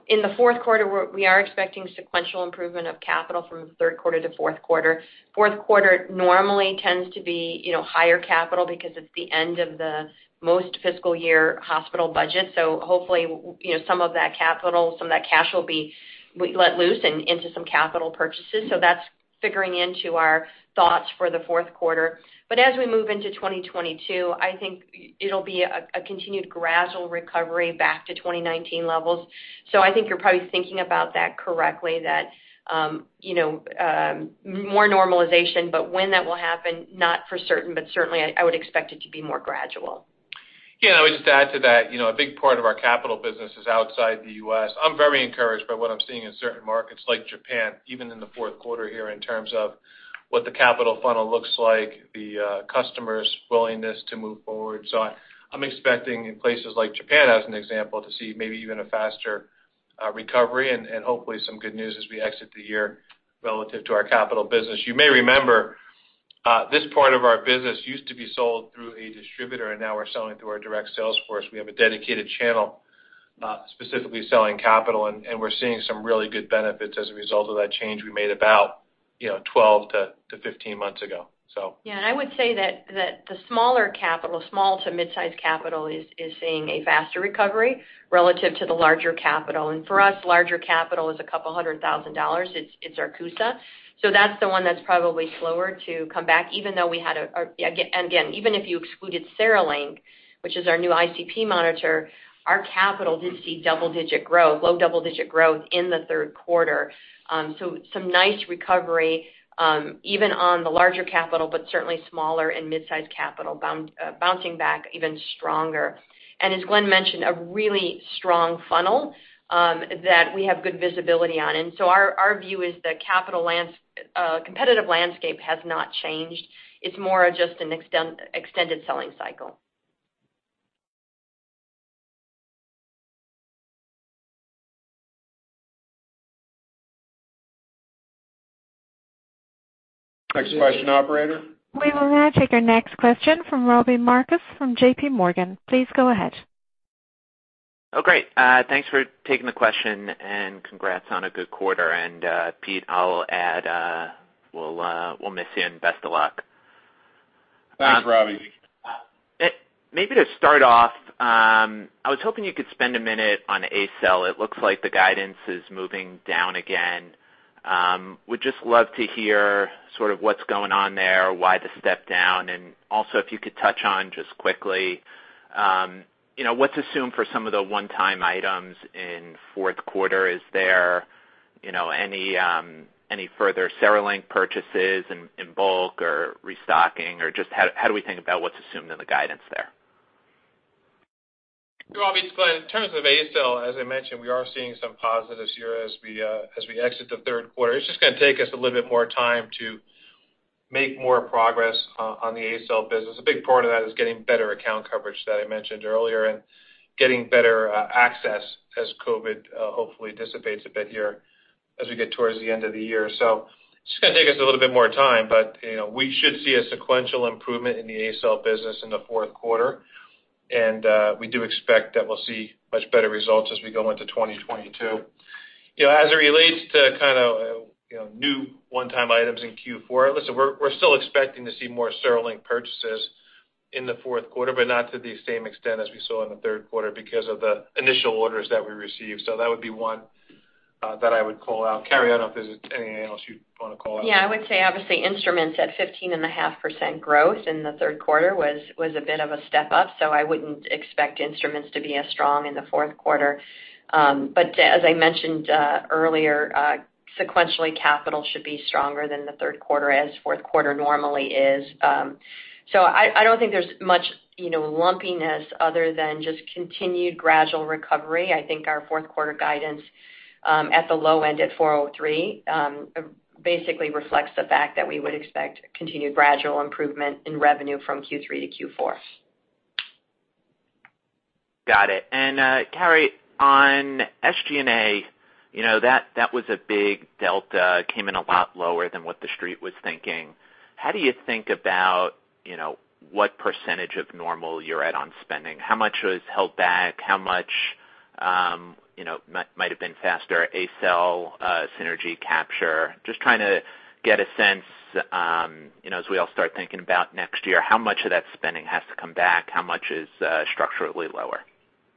In the fourth quarter we are expecting sequential improvement of capital from third quarter to fourth quarter. Fourth quarter normally tends to be higher capital because it's the end of the most fiscal year hospital budget. Hopefully, some of that capital, some of that cash will be let loose into some capital purchases. That's figuring into our thoughts for the fourth quarter. As we move into 2022, I think it'll be a continued gradual recovery back to 2019 levels. I think you're probably thinking about that correctly, that more normalization, but when that will happen, not for certain, but certainly I would expect it to be more gradual. Yeah, I would just add to that, you know, a big part of our capital business is outside the U.S. I'm very encouraged by what I'm seeing in certain markets like Japan, even in the fourth quarter here, in terms of what the capital funnel looks like, the customers' willingness to move forward. I'm expecting in places like Japan as an example, to see maybe even a faster recovery and hopefully some good news as we exit the year relative to our capital business. You may remember, this part of our business used to be sold through a distributor, and now we're selling through our direct sales force. We have a dedicated channel specifically selling capital, and we're seeing some really good benefits as a result of that change we made about, you know, 12 to 15 months ago, so. Yeah, I would say that the smaller capital, small to mid-size capital is seeing a faster recovery relative to the larger capital. For us, larger capital is $200,000. It's CUSA. So that's the one that's probably slower to come back, even though we had again, even if you excluded CereLink, which is our new ICP monitor, our capital did see double-digit growth, low double-digit growth in the third quarter. So some nice recovery, even on the larger capital, but certainly smaller and mid-size capital bouncing back even stronger. As Glenn mentioned, a really strong funnel that we have good visibility on. Our view is the competitive landscape has not changed. It's more just an extended selling cycle. Next question, operator. We will now take our next question from Robbie Marcus from JPMorgan. Please go ahead. Oh, great. Thanks for taking the question, and congrats on a good quarter. Pete, I'll add, we'll miss you, and best of luck. Thanks, Robbie. Maybe to start off, I was hoping you could spend a minute on ACell. It looks like the guidance is moving down again. Would just love to hear sort of what's going on there, why the step down, and also if you could touch on, just quickly, you know, what's assumed for some of the one-time items in fourth quarter. Is there, you know, any further CereLink purchases in bulk or restocking, or just how do we think about what's assumed in the guidance there? Robbie, it's Glenn. In terms of ACell, as I mentioned, we are seeing some positives here as we exit the third quarter. It's just gonna take us a little bit more time to make more progress on the ACell business. A big part of that is getting better account coverage that I mentioned earlier and getting better access as COVID hopefully dissipates a bit here as we get towards the end of the year. It's just gonna take us a little bit more time, but you know, we should see a sequential improvement in the ACell business in the fourth quarter. We do expect that we'll see much better results as we go into 2022. You know, as it relates to kind of, you know, new one-time items in Q4, listen, we're still expecting to see more CereLink purchases in the fourth quarter but not to the same extent as we saw in the third quarter because of the initial orders that we received. That would be one that I would call out. Carrie, I don't know if there's anything else you'd want to call out. Yeah. I would say, obviously, instruments at 15.5% growth in the third quarter was a bit of a step up, so I wouldn't expect instruments to be as strong in the fourth quarter. As I mentioned earlier, sequentially, capital should be stronger than the third quarter as fourth quarter normally is. I don't think there's much, you know, lumpiness other than just continued gradual recovery. I think our fourth quarter guidance at the low end at $403 basically reflects the fact that we would expect continued gradual improvement in revenue from Q3 to Q4. Got it. Carrie, on SG&A, you know, that was a big delta, came in a lot lower than what the street was thinking. How do you think about, you know, what percentage of normal you're at on spending? How much was held back? How much, you know, might have been faster ACell synergy capture? Just trying to get a sense, you know, as we all start thinking about next year, how much of that spending has to come back? How much is structurally lower?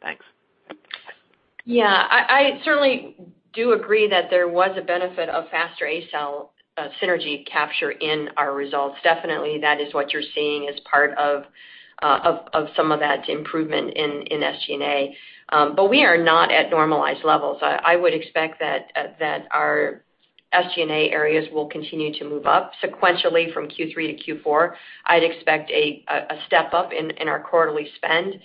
Thanks. Yeah. I certainly do agree that there was a benefit of faster ACell synergy capture in our results. Definitely, that is what you're seeing as part of some of that improvement in SG&A. But we are not at normalized levels. I would expect that our SG&A areas will continue to move up sequentially from Q3 to Q4. I'd expect a step up in our quarterly spend,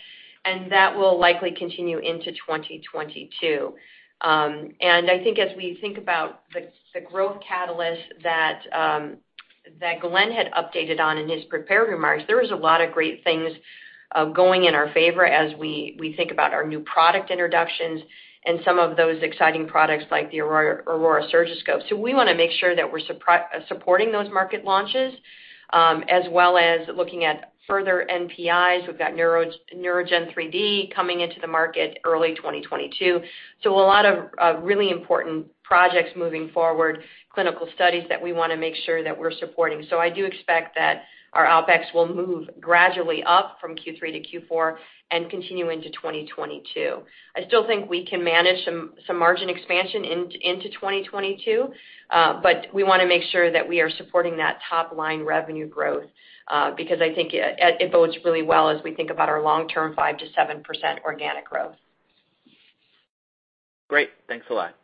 and that will likely continue into 2022. I think as we think about the growth catalyst that Glenn had updated on in his prepared remarks, there was a lot of great things going in our favor as we think about our new product introductions and some of those exciting products like the Aurora Surgiscope. We wanna make sure that we're supporting those market launches, as well as looking at further NPIs. We have NeuraGen 3D coming into the market early 2022. A lot of really important projects moving forward, clinical studies that we wanna make sure that we're supporting. I do expect that our OpEx will move gradually up from Q3 to Q4 and continue into 2022. I still think we can manage some margin expansion into 2022, but we wanna make sure that we are supporting that top-line revenue growth, because I think it bodes really well as we think about our long-term 5%-7% organic growth. Great. Thanks a lot.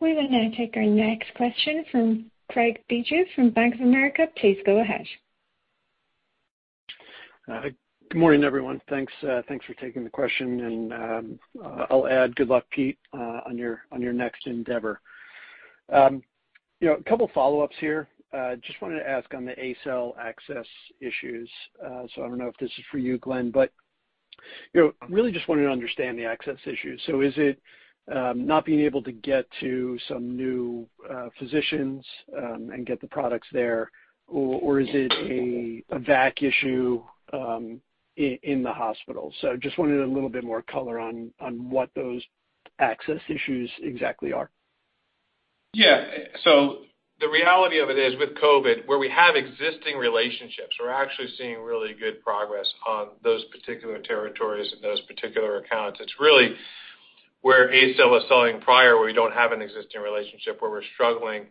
We will now take our next question from Craig Bijou from Bank of America. Please go ahead. Good morning, everyone. Thanks for taking the question. I'll add good luck, Pete, on your next endeavor. You know, a couple follow-ups here. Just wanted to ask on the ACell access issues. I don't know if this is for you, Glenn, but you know, really just wanted to understand the access issues. Is it not being able to get to some new physicians and get the products there, or is it a vac issue in the hospital? Just wanted a little bit more color on what those access issues exactly are. Yeah. The reality of it is, with COVID, where we have existing relationships, we're actually seeing really good progress on those particular territories and those particular accounts. It's really where ACell was selling prior, where we don't have an existing relationship, where we're struggling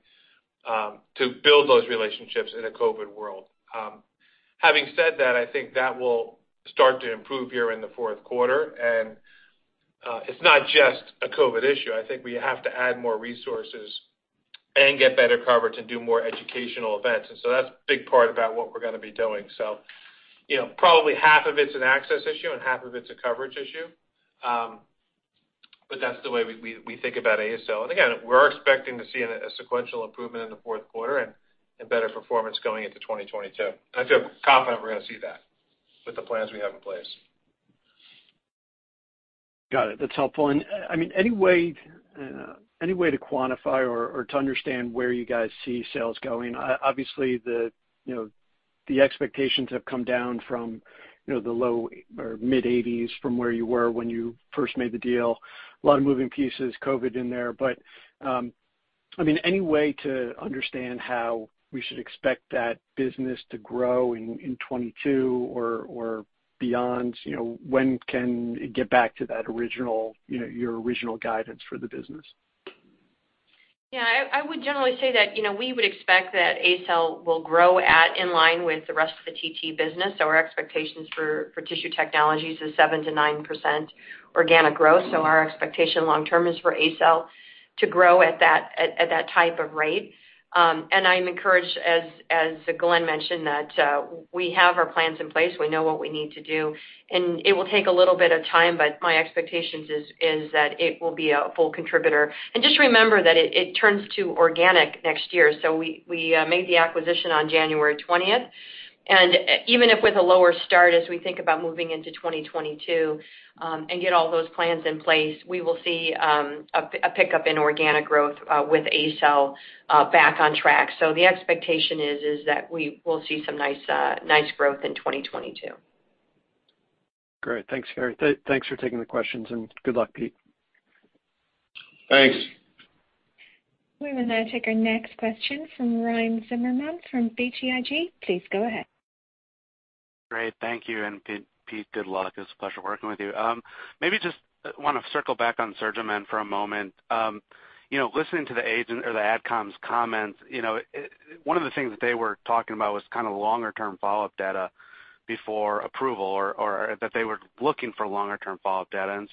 to build those relationships in a COVID world. Having said that, I think that will start to improve here in the fourth quarter. It's not just a COVID issue. I think we have to add more resources and get better coverage and do more educational events. That's a big part about what we're gonna be doing. You know, probably half of it's an access issue and half of it's a coverage issue. That's the way we think about ACell. Again, we're expecting to see a sequential improvement in the fourth quarter and better performance going into 2022. I feel confident we're gonna see that. With the plans we have in place. Got it. That's helpful. I mean, any way to quantify or to understand where you guys see sales going? Obviously, you know, the expectations have come down from, you know, the low or mid-80s from where you were when you first made the deal. A lot of moving pieces, COVID in there. I mean, any way to understand how we should expect that business to grow in 2022 or beyond? You know, when can it get back to that original, you know, your original guidance for the business? Yeah, I would generally say that, you know, we would expect that ACell will grow at in line with the rest of the TT business. Our expectations for Tissue Technologies is 7%-9% organic growth. Our expectation long term is for ACell to grow at that type of rate. I'm encouraged, as Glenn mentioned, that we have our plans in place. We know what we need to do, and it will take a little bit of time, but my expectations is that it will be a full contributor. Just remember that it turns to organic next year. We made the acquisition on January 20. Even if with a lower start, as we think about moving into 2022 and get all those plans in place, we will see a pickup in organic growth with ACell back on track. The expectation is that we will see some nice growth in 2022. Great. Thanks, Carrie. Thanks for taking the questions, and good luck, Pete. Thanks. We will now take our next question from Ryan Zimmerman from BTIG. Please go ahead. Great. Thank you. Pete, good luck. It's a pleasure working with you. Maybe just wanna circle back on SurgiMend for a moment. You know, listening to the AdCom's comments, you know, one of the things that they were talking about was kind of longer term follow-up data before approval or that they were looking for longer term follow-up data.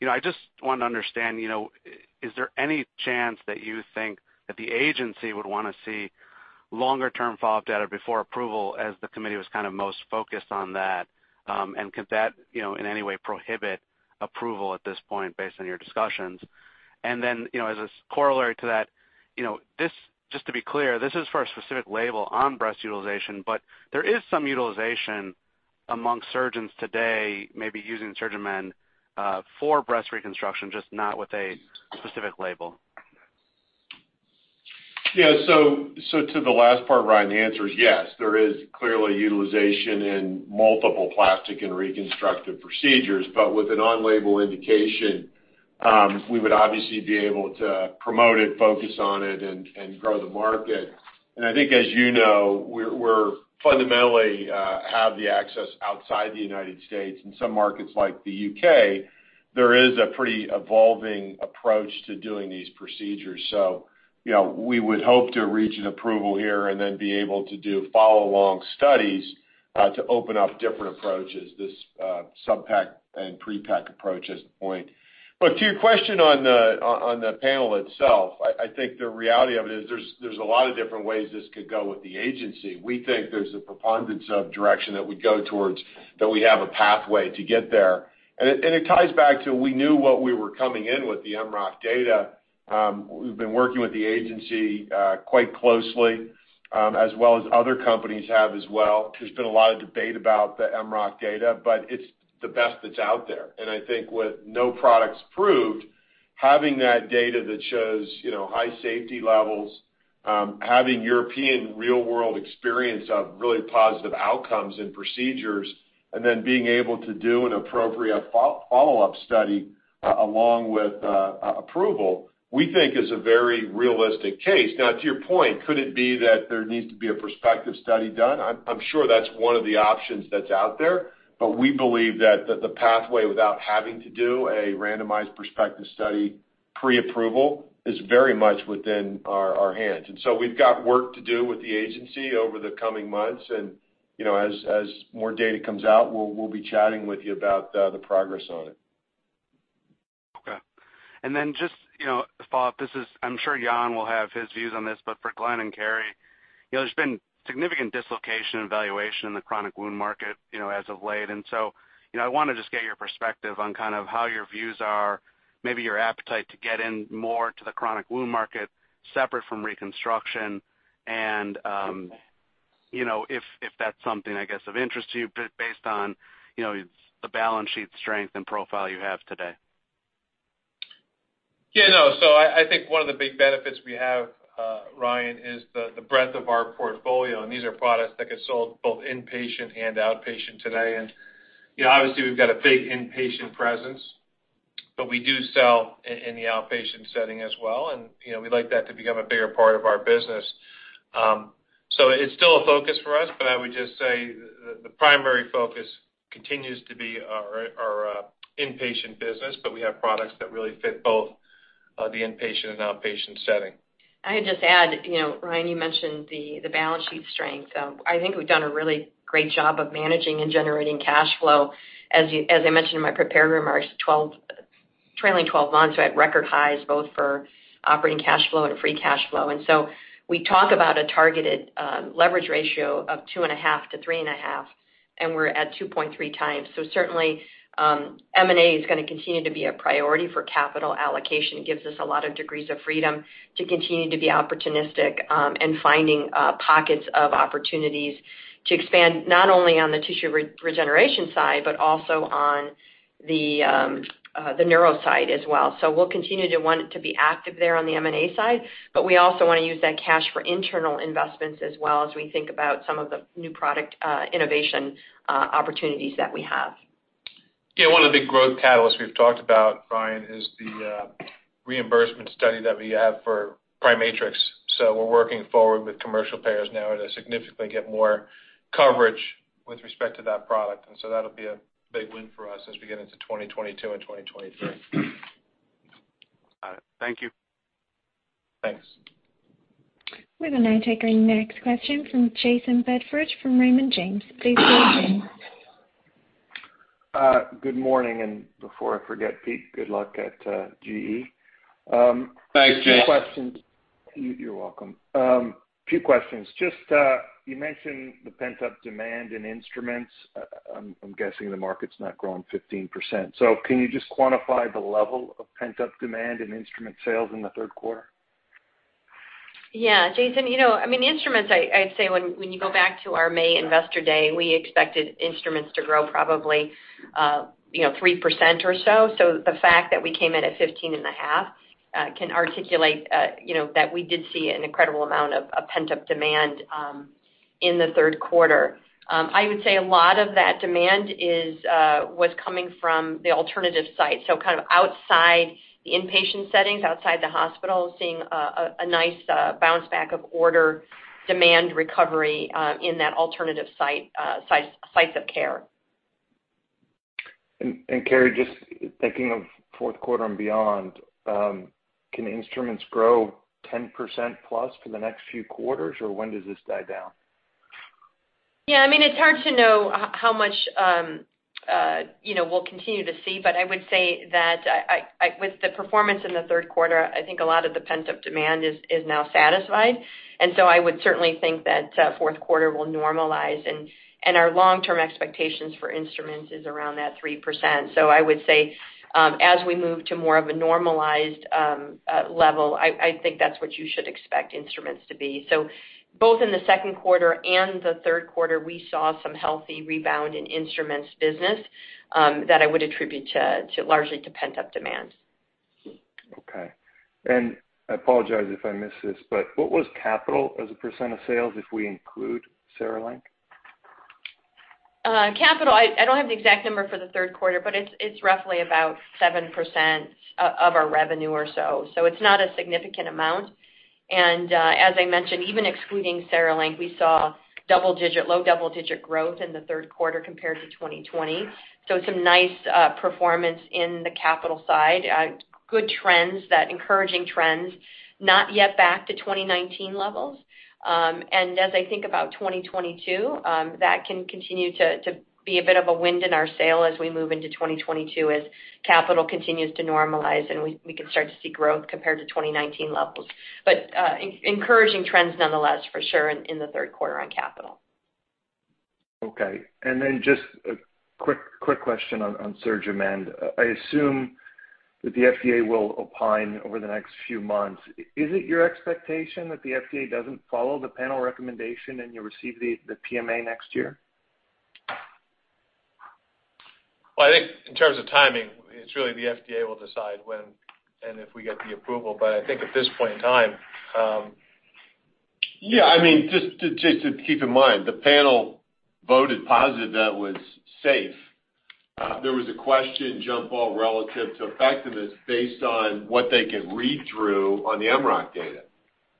You know, I just want to understand, you know, is there any chance that you think that the agency would wanna see longer term follow-up data before approval as the committee was kind of most focused on that? Could that, you know, in any way prohibit approval at this point based on your discussions? You know, as a corollary to that, you know, this, just to be clear, this is for a specific label on breast utilization, but there is some utilization among surgeons today maybe using SurgiMend for breast reconstruction, just not with a specific label. Yeah, to the last part, Ryan, the answer is yes. There is clearly utilization in multiple plastic and reconstructive procedures, but with an on-label indication, we would obviously be able to promote it, focus on it, and grow the market. I think as you know, we're fundamentally have the access outside the United States. In some markets like the U.K., there is a pretty evolving approach to doing these procedures. You know, we would hope to reach an approval here and then be able to do follow along studies to open up different approaches, this subpec and prepec approach as the point. To your question on the panel itself, I think the reality of it is there's a lot of different ways this could go with the agency. We think there's a preponderance of direction that we go towards that we have a pathway to get there. It ties back to we knew what we were coming in with the MROC data. We've been working with the agency quite closely, as well as other companies have as well. There's been a lot of debate about the MROC data, but it's the best that's out there. I think with no products proved, having that data that shows, you know, high safety levels, having European real-world experience of really positive outcomes and procedures, and then being able to do an appropriate follow-up study along with approval, we think is a very realistic case. Now, to your point, could it be that there needs to be a prospective study done? I'm sure that's one of the options that's out there, but we believe that the pathway without having to do a randomized prospective study pre-approval is very much within our hands. We've got work to do with the agency over the coming months. You know, as more data comes out, we'll be chatting with you about the progress on it. Okay. Then just, you know, to follow up, this is. I'm sure Jan will have his views on this, but for Glenn and Carrie, you know, there's been significant dislocation and valuation in the chronic wound market, you know, as of late. So, you know, I wanna just get your perspective on kind of how your views are, maybe your appetite to get in more to the chronic wound market separate from reconstruction and, you know, if that's something, I guess, of interest to you based on, you know, the balance sheet strength and profile you have today. I think one of the big benefits we have, Ryan, is the breadth of our portfolio, and these are products that get sold both inpatient and outpatient today. You know, obviously, we've got a big inpatient presence, but we do sell in the outpatient setting as well. You know, we'd like that to become a bigger part of our business. It's still a focus for us, but I would just say the primary focus continues to be our inpatient business, but we have products that really fit both the inpatient and outpatient setting. I just add, you know, Ryan, you mentioned the balance sheet strength. I think we've done a really great job of managing and generating cash flow. As I mentioned in my prepared remarks, trailing 12 months, we're at record highs, both for operating cash flow and free cash flow. We talk about a targeted leverage ratio of 2.5-3.5, and we're at 2.3x. Certainly, M&A is gonna continue to be a priority for capital allocation. It gives us a lot of degrees of freedom to continue to be opportunistic in finding pockets of opportunities to expand, not only on the tissue regeneration side, but also on the neuro side as well. We'll continue to want to be active there on the M&A side, but we also wanna use that cash for internal investments as well as we think about some of the new product innovation opportunities that we have. Yeah, one of the big growth catalysts we've talked about, Ryan Zimmerman, is the reimbursement study that we have for PriMatrix. We're working forward with commercial payers now to significantly get more coverage with respect to that product. That'll be a big win for us as we get into 2022 and 2023. All right. Thank you. Thanks. We will now take our next question from Jayson Bedford from Raymond James. Please go ahead. Good morning. Before I forget, Pete, good luck at GE. Thanks, Jayson. A few questions. You're welcome. A few questions. Just, you mentioned the pent-up demand in instruments. I'm guessing the market's not growing 15%. Can you just quantify the level of pent-up demand in instrument sales in the third quarter? Yeah, Jayson, instruments, I'd say when you go back to our May Investor Day, we expected instruments to grow probably 3% or so. The fact that we came in at 15.5% can articulate that we did see an incredible amount of pent-up demand in the third quarter. I would say a lot of that demand was coming from the alternative site. Kind of outside the inpatient settings, outside the hospital, seeing a nice bounce back of order demand recovery in that alternative sites of care. Carrie, just thinking of fourth quarter and beyond, can instruments grow 10%+ for the next few quarters, or when does this die down? Yeah, I mean, it's hard to know how much, you know, we'll continue to see. I would say that I, with the performance in the third quarter, I think a lot of the pent-up demand is now satisfied. I would certainly think that fourth quarter will normalize and our long-term expectations for instruments is around that 3%. I would say, as we move to more of a normalized level, I think that's what you should expect instruments to be. Both in the second quarter and the third quarter, we saw some healthy rebound in instruments business, that I would attribute largely to pent-up demand. Okay. I apologize if I missed this, but what was CapEx as a percent of sales if we include CereLink? Capital, I don't have the exact number for the third quarter, but it's roughly about 7% of our revenue or so. It's not a significant amount. As I mentioned, even excluding CereLink, we saw double-digit, low double-digit growth in the third quarter compared to 2020. Some nice performance in the capital side. Good trends, encouraging trends, not yet back to 2019 levels. As I think about 2022, that can continue to be a bit of a wind in our sail as we move into 2022 as capital continues to normalize and we can start to see growth compared to 2019 levels. Encouraging trends nonetheless for sure in the third quarter on capital. Okay. Just a quick question on SurgiMend. I assume that the FDA will opine over the next few months. Is it your expectation that the FDA doesn't follow the panel recommendation and you'll receive the PMA next year? Well, I think in terms of timing, it's really the FDA will decide when and if we get the approval. I think at this point in time. Yeah, I mean, just to keep in mind, the panel voted positive that was safe. There was a question overall relative to effectiveness based on what they could read through on the MROC data.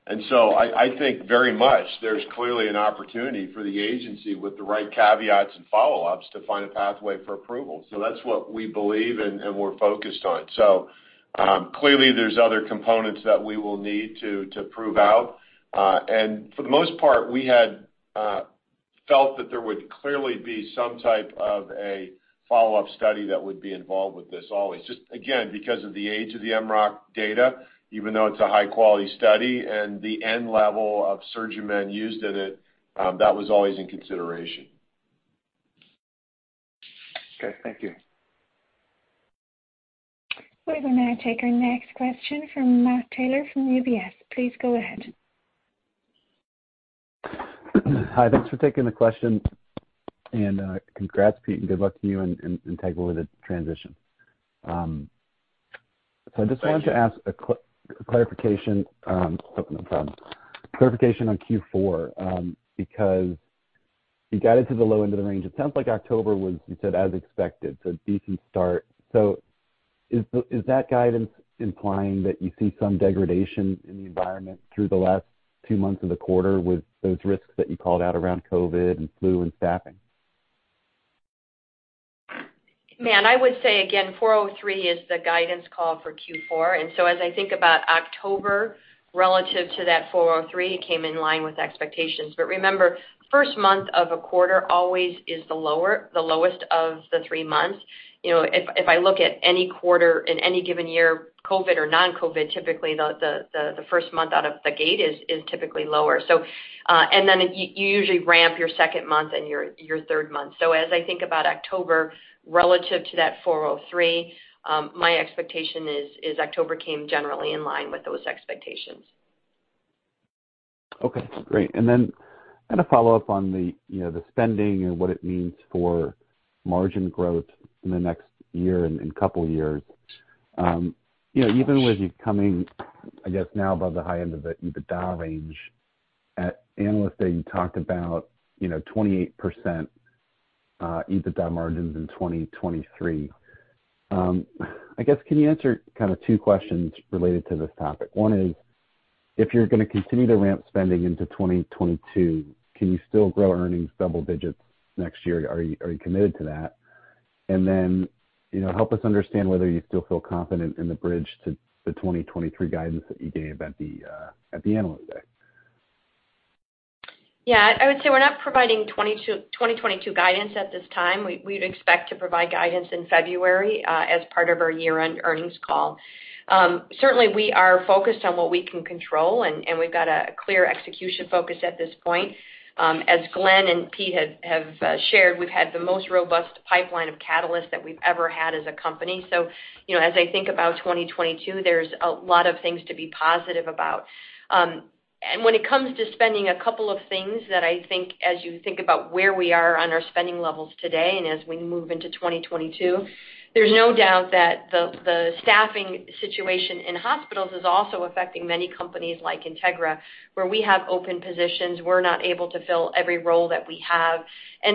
I think very much there's clearly an opportunity for the agency with the right caveats and follow-ups to find a pathway for approval. That's what we believe and we're focused on. Clearly there's other components that we will need to prove out. For the most part, we had felt that there would clearly be some type of a follow-up study that would be involved with this always. Just again, because of the age of the MROC data, even though it's a high-quality study and the end level of SurgiMend used in it, that was always in consideration. Okay, thank you. We will now take our next question from Matt Taylor from UBS. Please go ahead. Hi, thanks for taking the question. Congrats, Pete, and good luck to you and Integra with the transition. I just wanted to ask a clarification on Q4, because you got it to the low end of the range. It sounds like October was, you said, as expected, so a decent start. Is that guidance implying that you see some degradation in the environment through the last two months of the quarter with those risks that you called out around COVID and flu and staffing? Matt, I would say again, $403 is the guidance call for Q4. As I think about October relative to that $403, it came in line with expectations. Remember, first month of a quarter always is the lowest of the three months. You know, if I look at any quarter in any given year, COVID or non-COVID, typically the first month out of the gate is typically lower. You usually ramp your second month and your third month. As I think about October relative to that $403, my expectation is October came generally in line with those expectations. Okay, great. Then kind of follow up on the, you know, the spending and what it means for margin growth in the next year and in couple years. You know, even with you coming, I guess now above the high end of the EBITDA range, at Analyst Day, you talked about, you know, 28% EBITDA margins in 2023. I guess can you answer kind of two questions related to this topic? One is if you're gonna continue to ramp spending into 2022, can you still grow earnings double digits next year? Are you committed to that? Then, you know, help us understand whether you still feel confident in the bridge to the 2023 guidance that you gave at the Analyst Day. Yeah, I would say we're not providing 2022 guidance at this time. We'd expect to provide guidance in February as part of our year-end earnings call. Certainly we are focused on what we can control and we've got a clear execution focus at this point. As Glenn and Peter have shared, we've had the most robust pipeline of catalysts that we've ever had as a company. You know, as I think about 2022, there's a lot of things to be positive about. When it comes to spending, a couple of things that I think as you think about where we are on our spending levels today and as we move into 2022, there's no doubt that the staffing situation in hospitals is also affecting many companies like Integra. Where we have open positions, we're not able to fill every role that we have.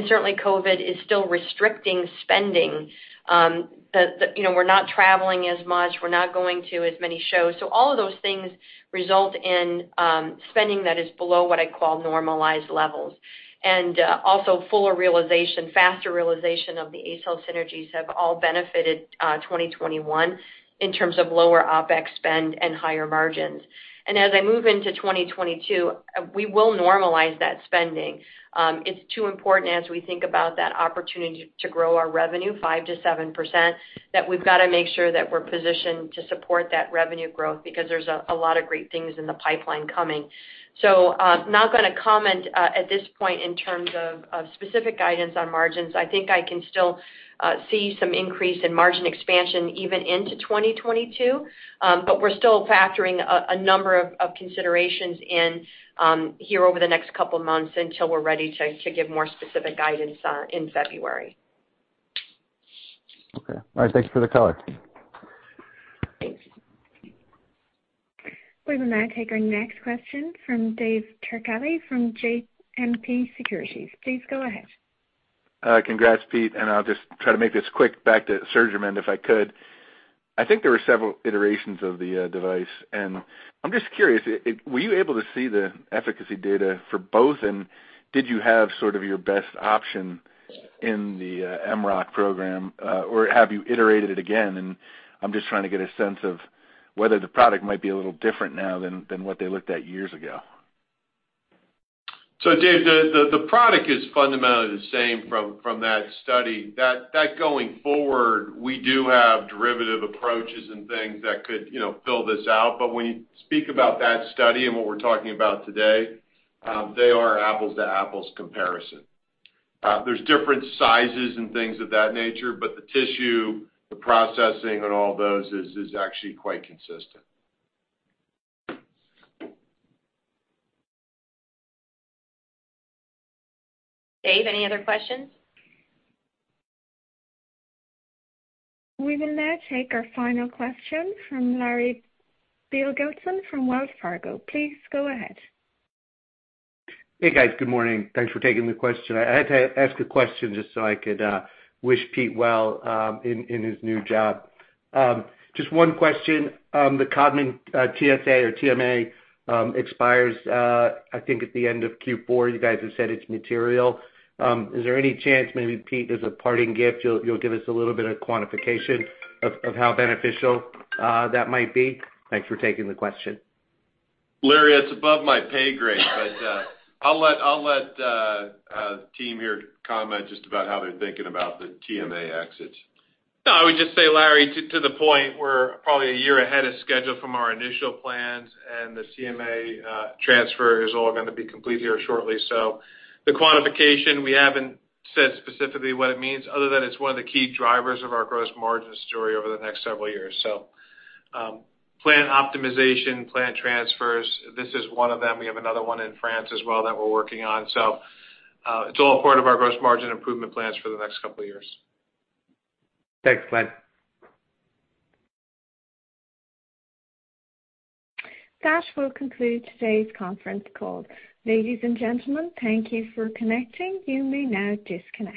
Certainly COVID is still restricting spending. You know, we're not traveling as much. We're not going to as many shows. All of those things result in spending that is below what I call normalized levels. Also fuller realization, faster realization of the ACell synergies have all benefited 2021 in terms of lower OpEx spend and higher margins. As I move into 2022, we will normalize that spending. It's too important as we think about that opportunity to grow our revenue 5%-7% that we've gotta make sure that we're positioned to support that revenue growth because there's a lot of great things in the pipeline coming. Not gonna comment at this point in terms of specific guidance on margins. I think I can still see some increase in margin expansion even into 2022. We're still factoring a number of considerations in here over the next couple of months until we're ready to give more specific guidance in February. Okay. All right, thanks for the color. Thanks. We will now take our next question from David Turkaly from JMP Securities. Please go ahead. Congrats, Pete, and I'll just try to make this quick back to SurgiMend, if I could. I think there were several iterations of the device, and I'm just curious, were you able to see the efficacy data for both? Did you have sort of your best option in the MROC program, or have you iterated it again? I'm just trying to get a sense of whether the product might be a little different now than what they looked at years ago. Dave, the product is fundamentally the same from that study. Going forward, we do have derivative approaches and things that could, you know, build this out. When you speak about that study and what we're talking about today, they are apples to apples comparison. There's different sizes and things of that nature, but the tissue, the processing and all those is actually quite consistent. Dave, any other questions? We will now take our final question from Larry Biegelsen from Wells Fargo. Please go ahead. Hey, guys. Good morning. Thanks for taking the question. I had to ask a question just so I could wish Pete well in his new job. Just one question. The Codman TSA or TMA expires, I think at the end of Q4. You guys have said it's material. Is there any chance maybe, Pete, as a parting gift you'll give us a little bit of quantification of how beneficial that might be? Thanks for taking the question. Larry, it's above my pay grade, but I'll let the team here comment just about how they're thinking about the TMA exit. No, I would just say, Larry, to the point, we're probably a year ahead of schedule from our initial plans and the TMA transfer is all gonna be complete here shortly. The quantification, we haven't said specifically what it means other than it's one of the key drivers of our gross margin story over the next several years. Plan optimization, plan transfers, this is one of them. We have another one in France as well that we're working on. It's all part of our gross margin improvement plans for the next couple of years. Thanks, Glenn. That will conclude today's conference call. Ladies and gentlemen, thank you for connecting. You may now disconnect.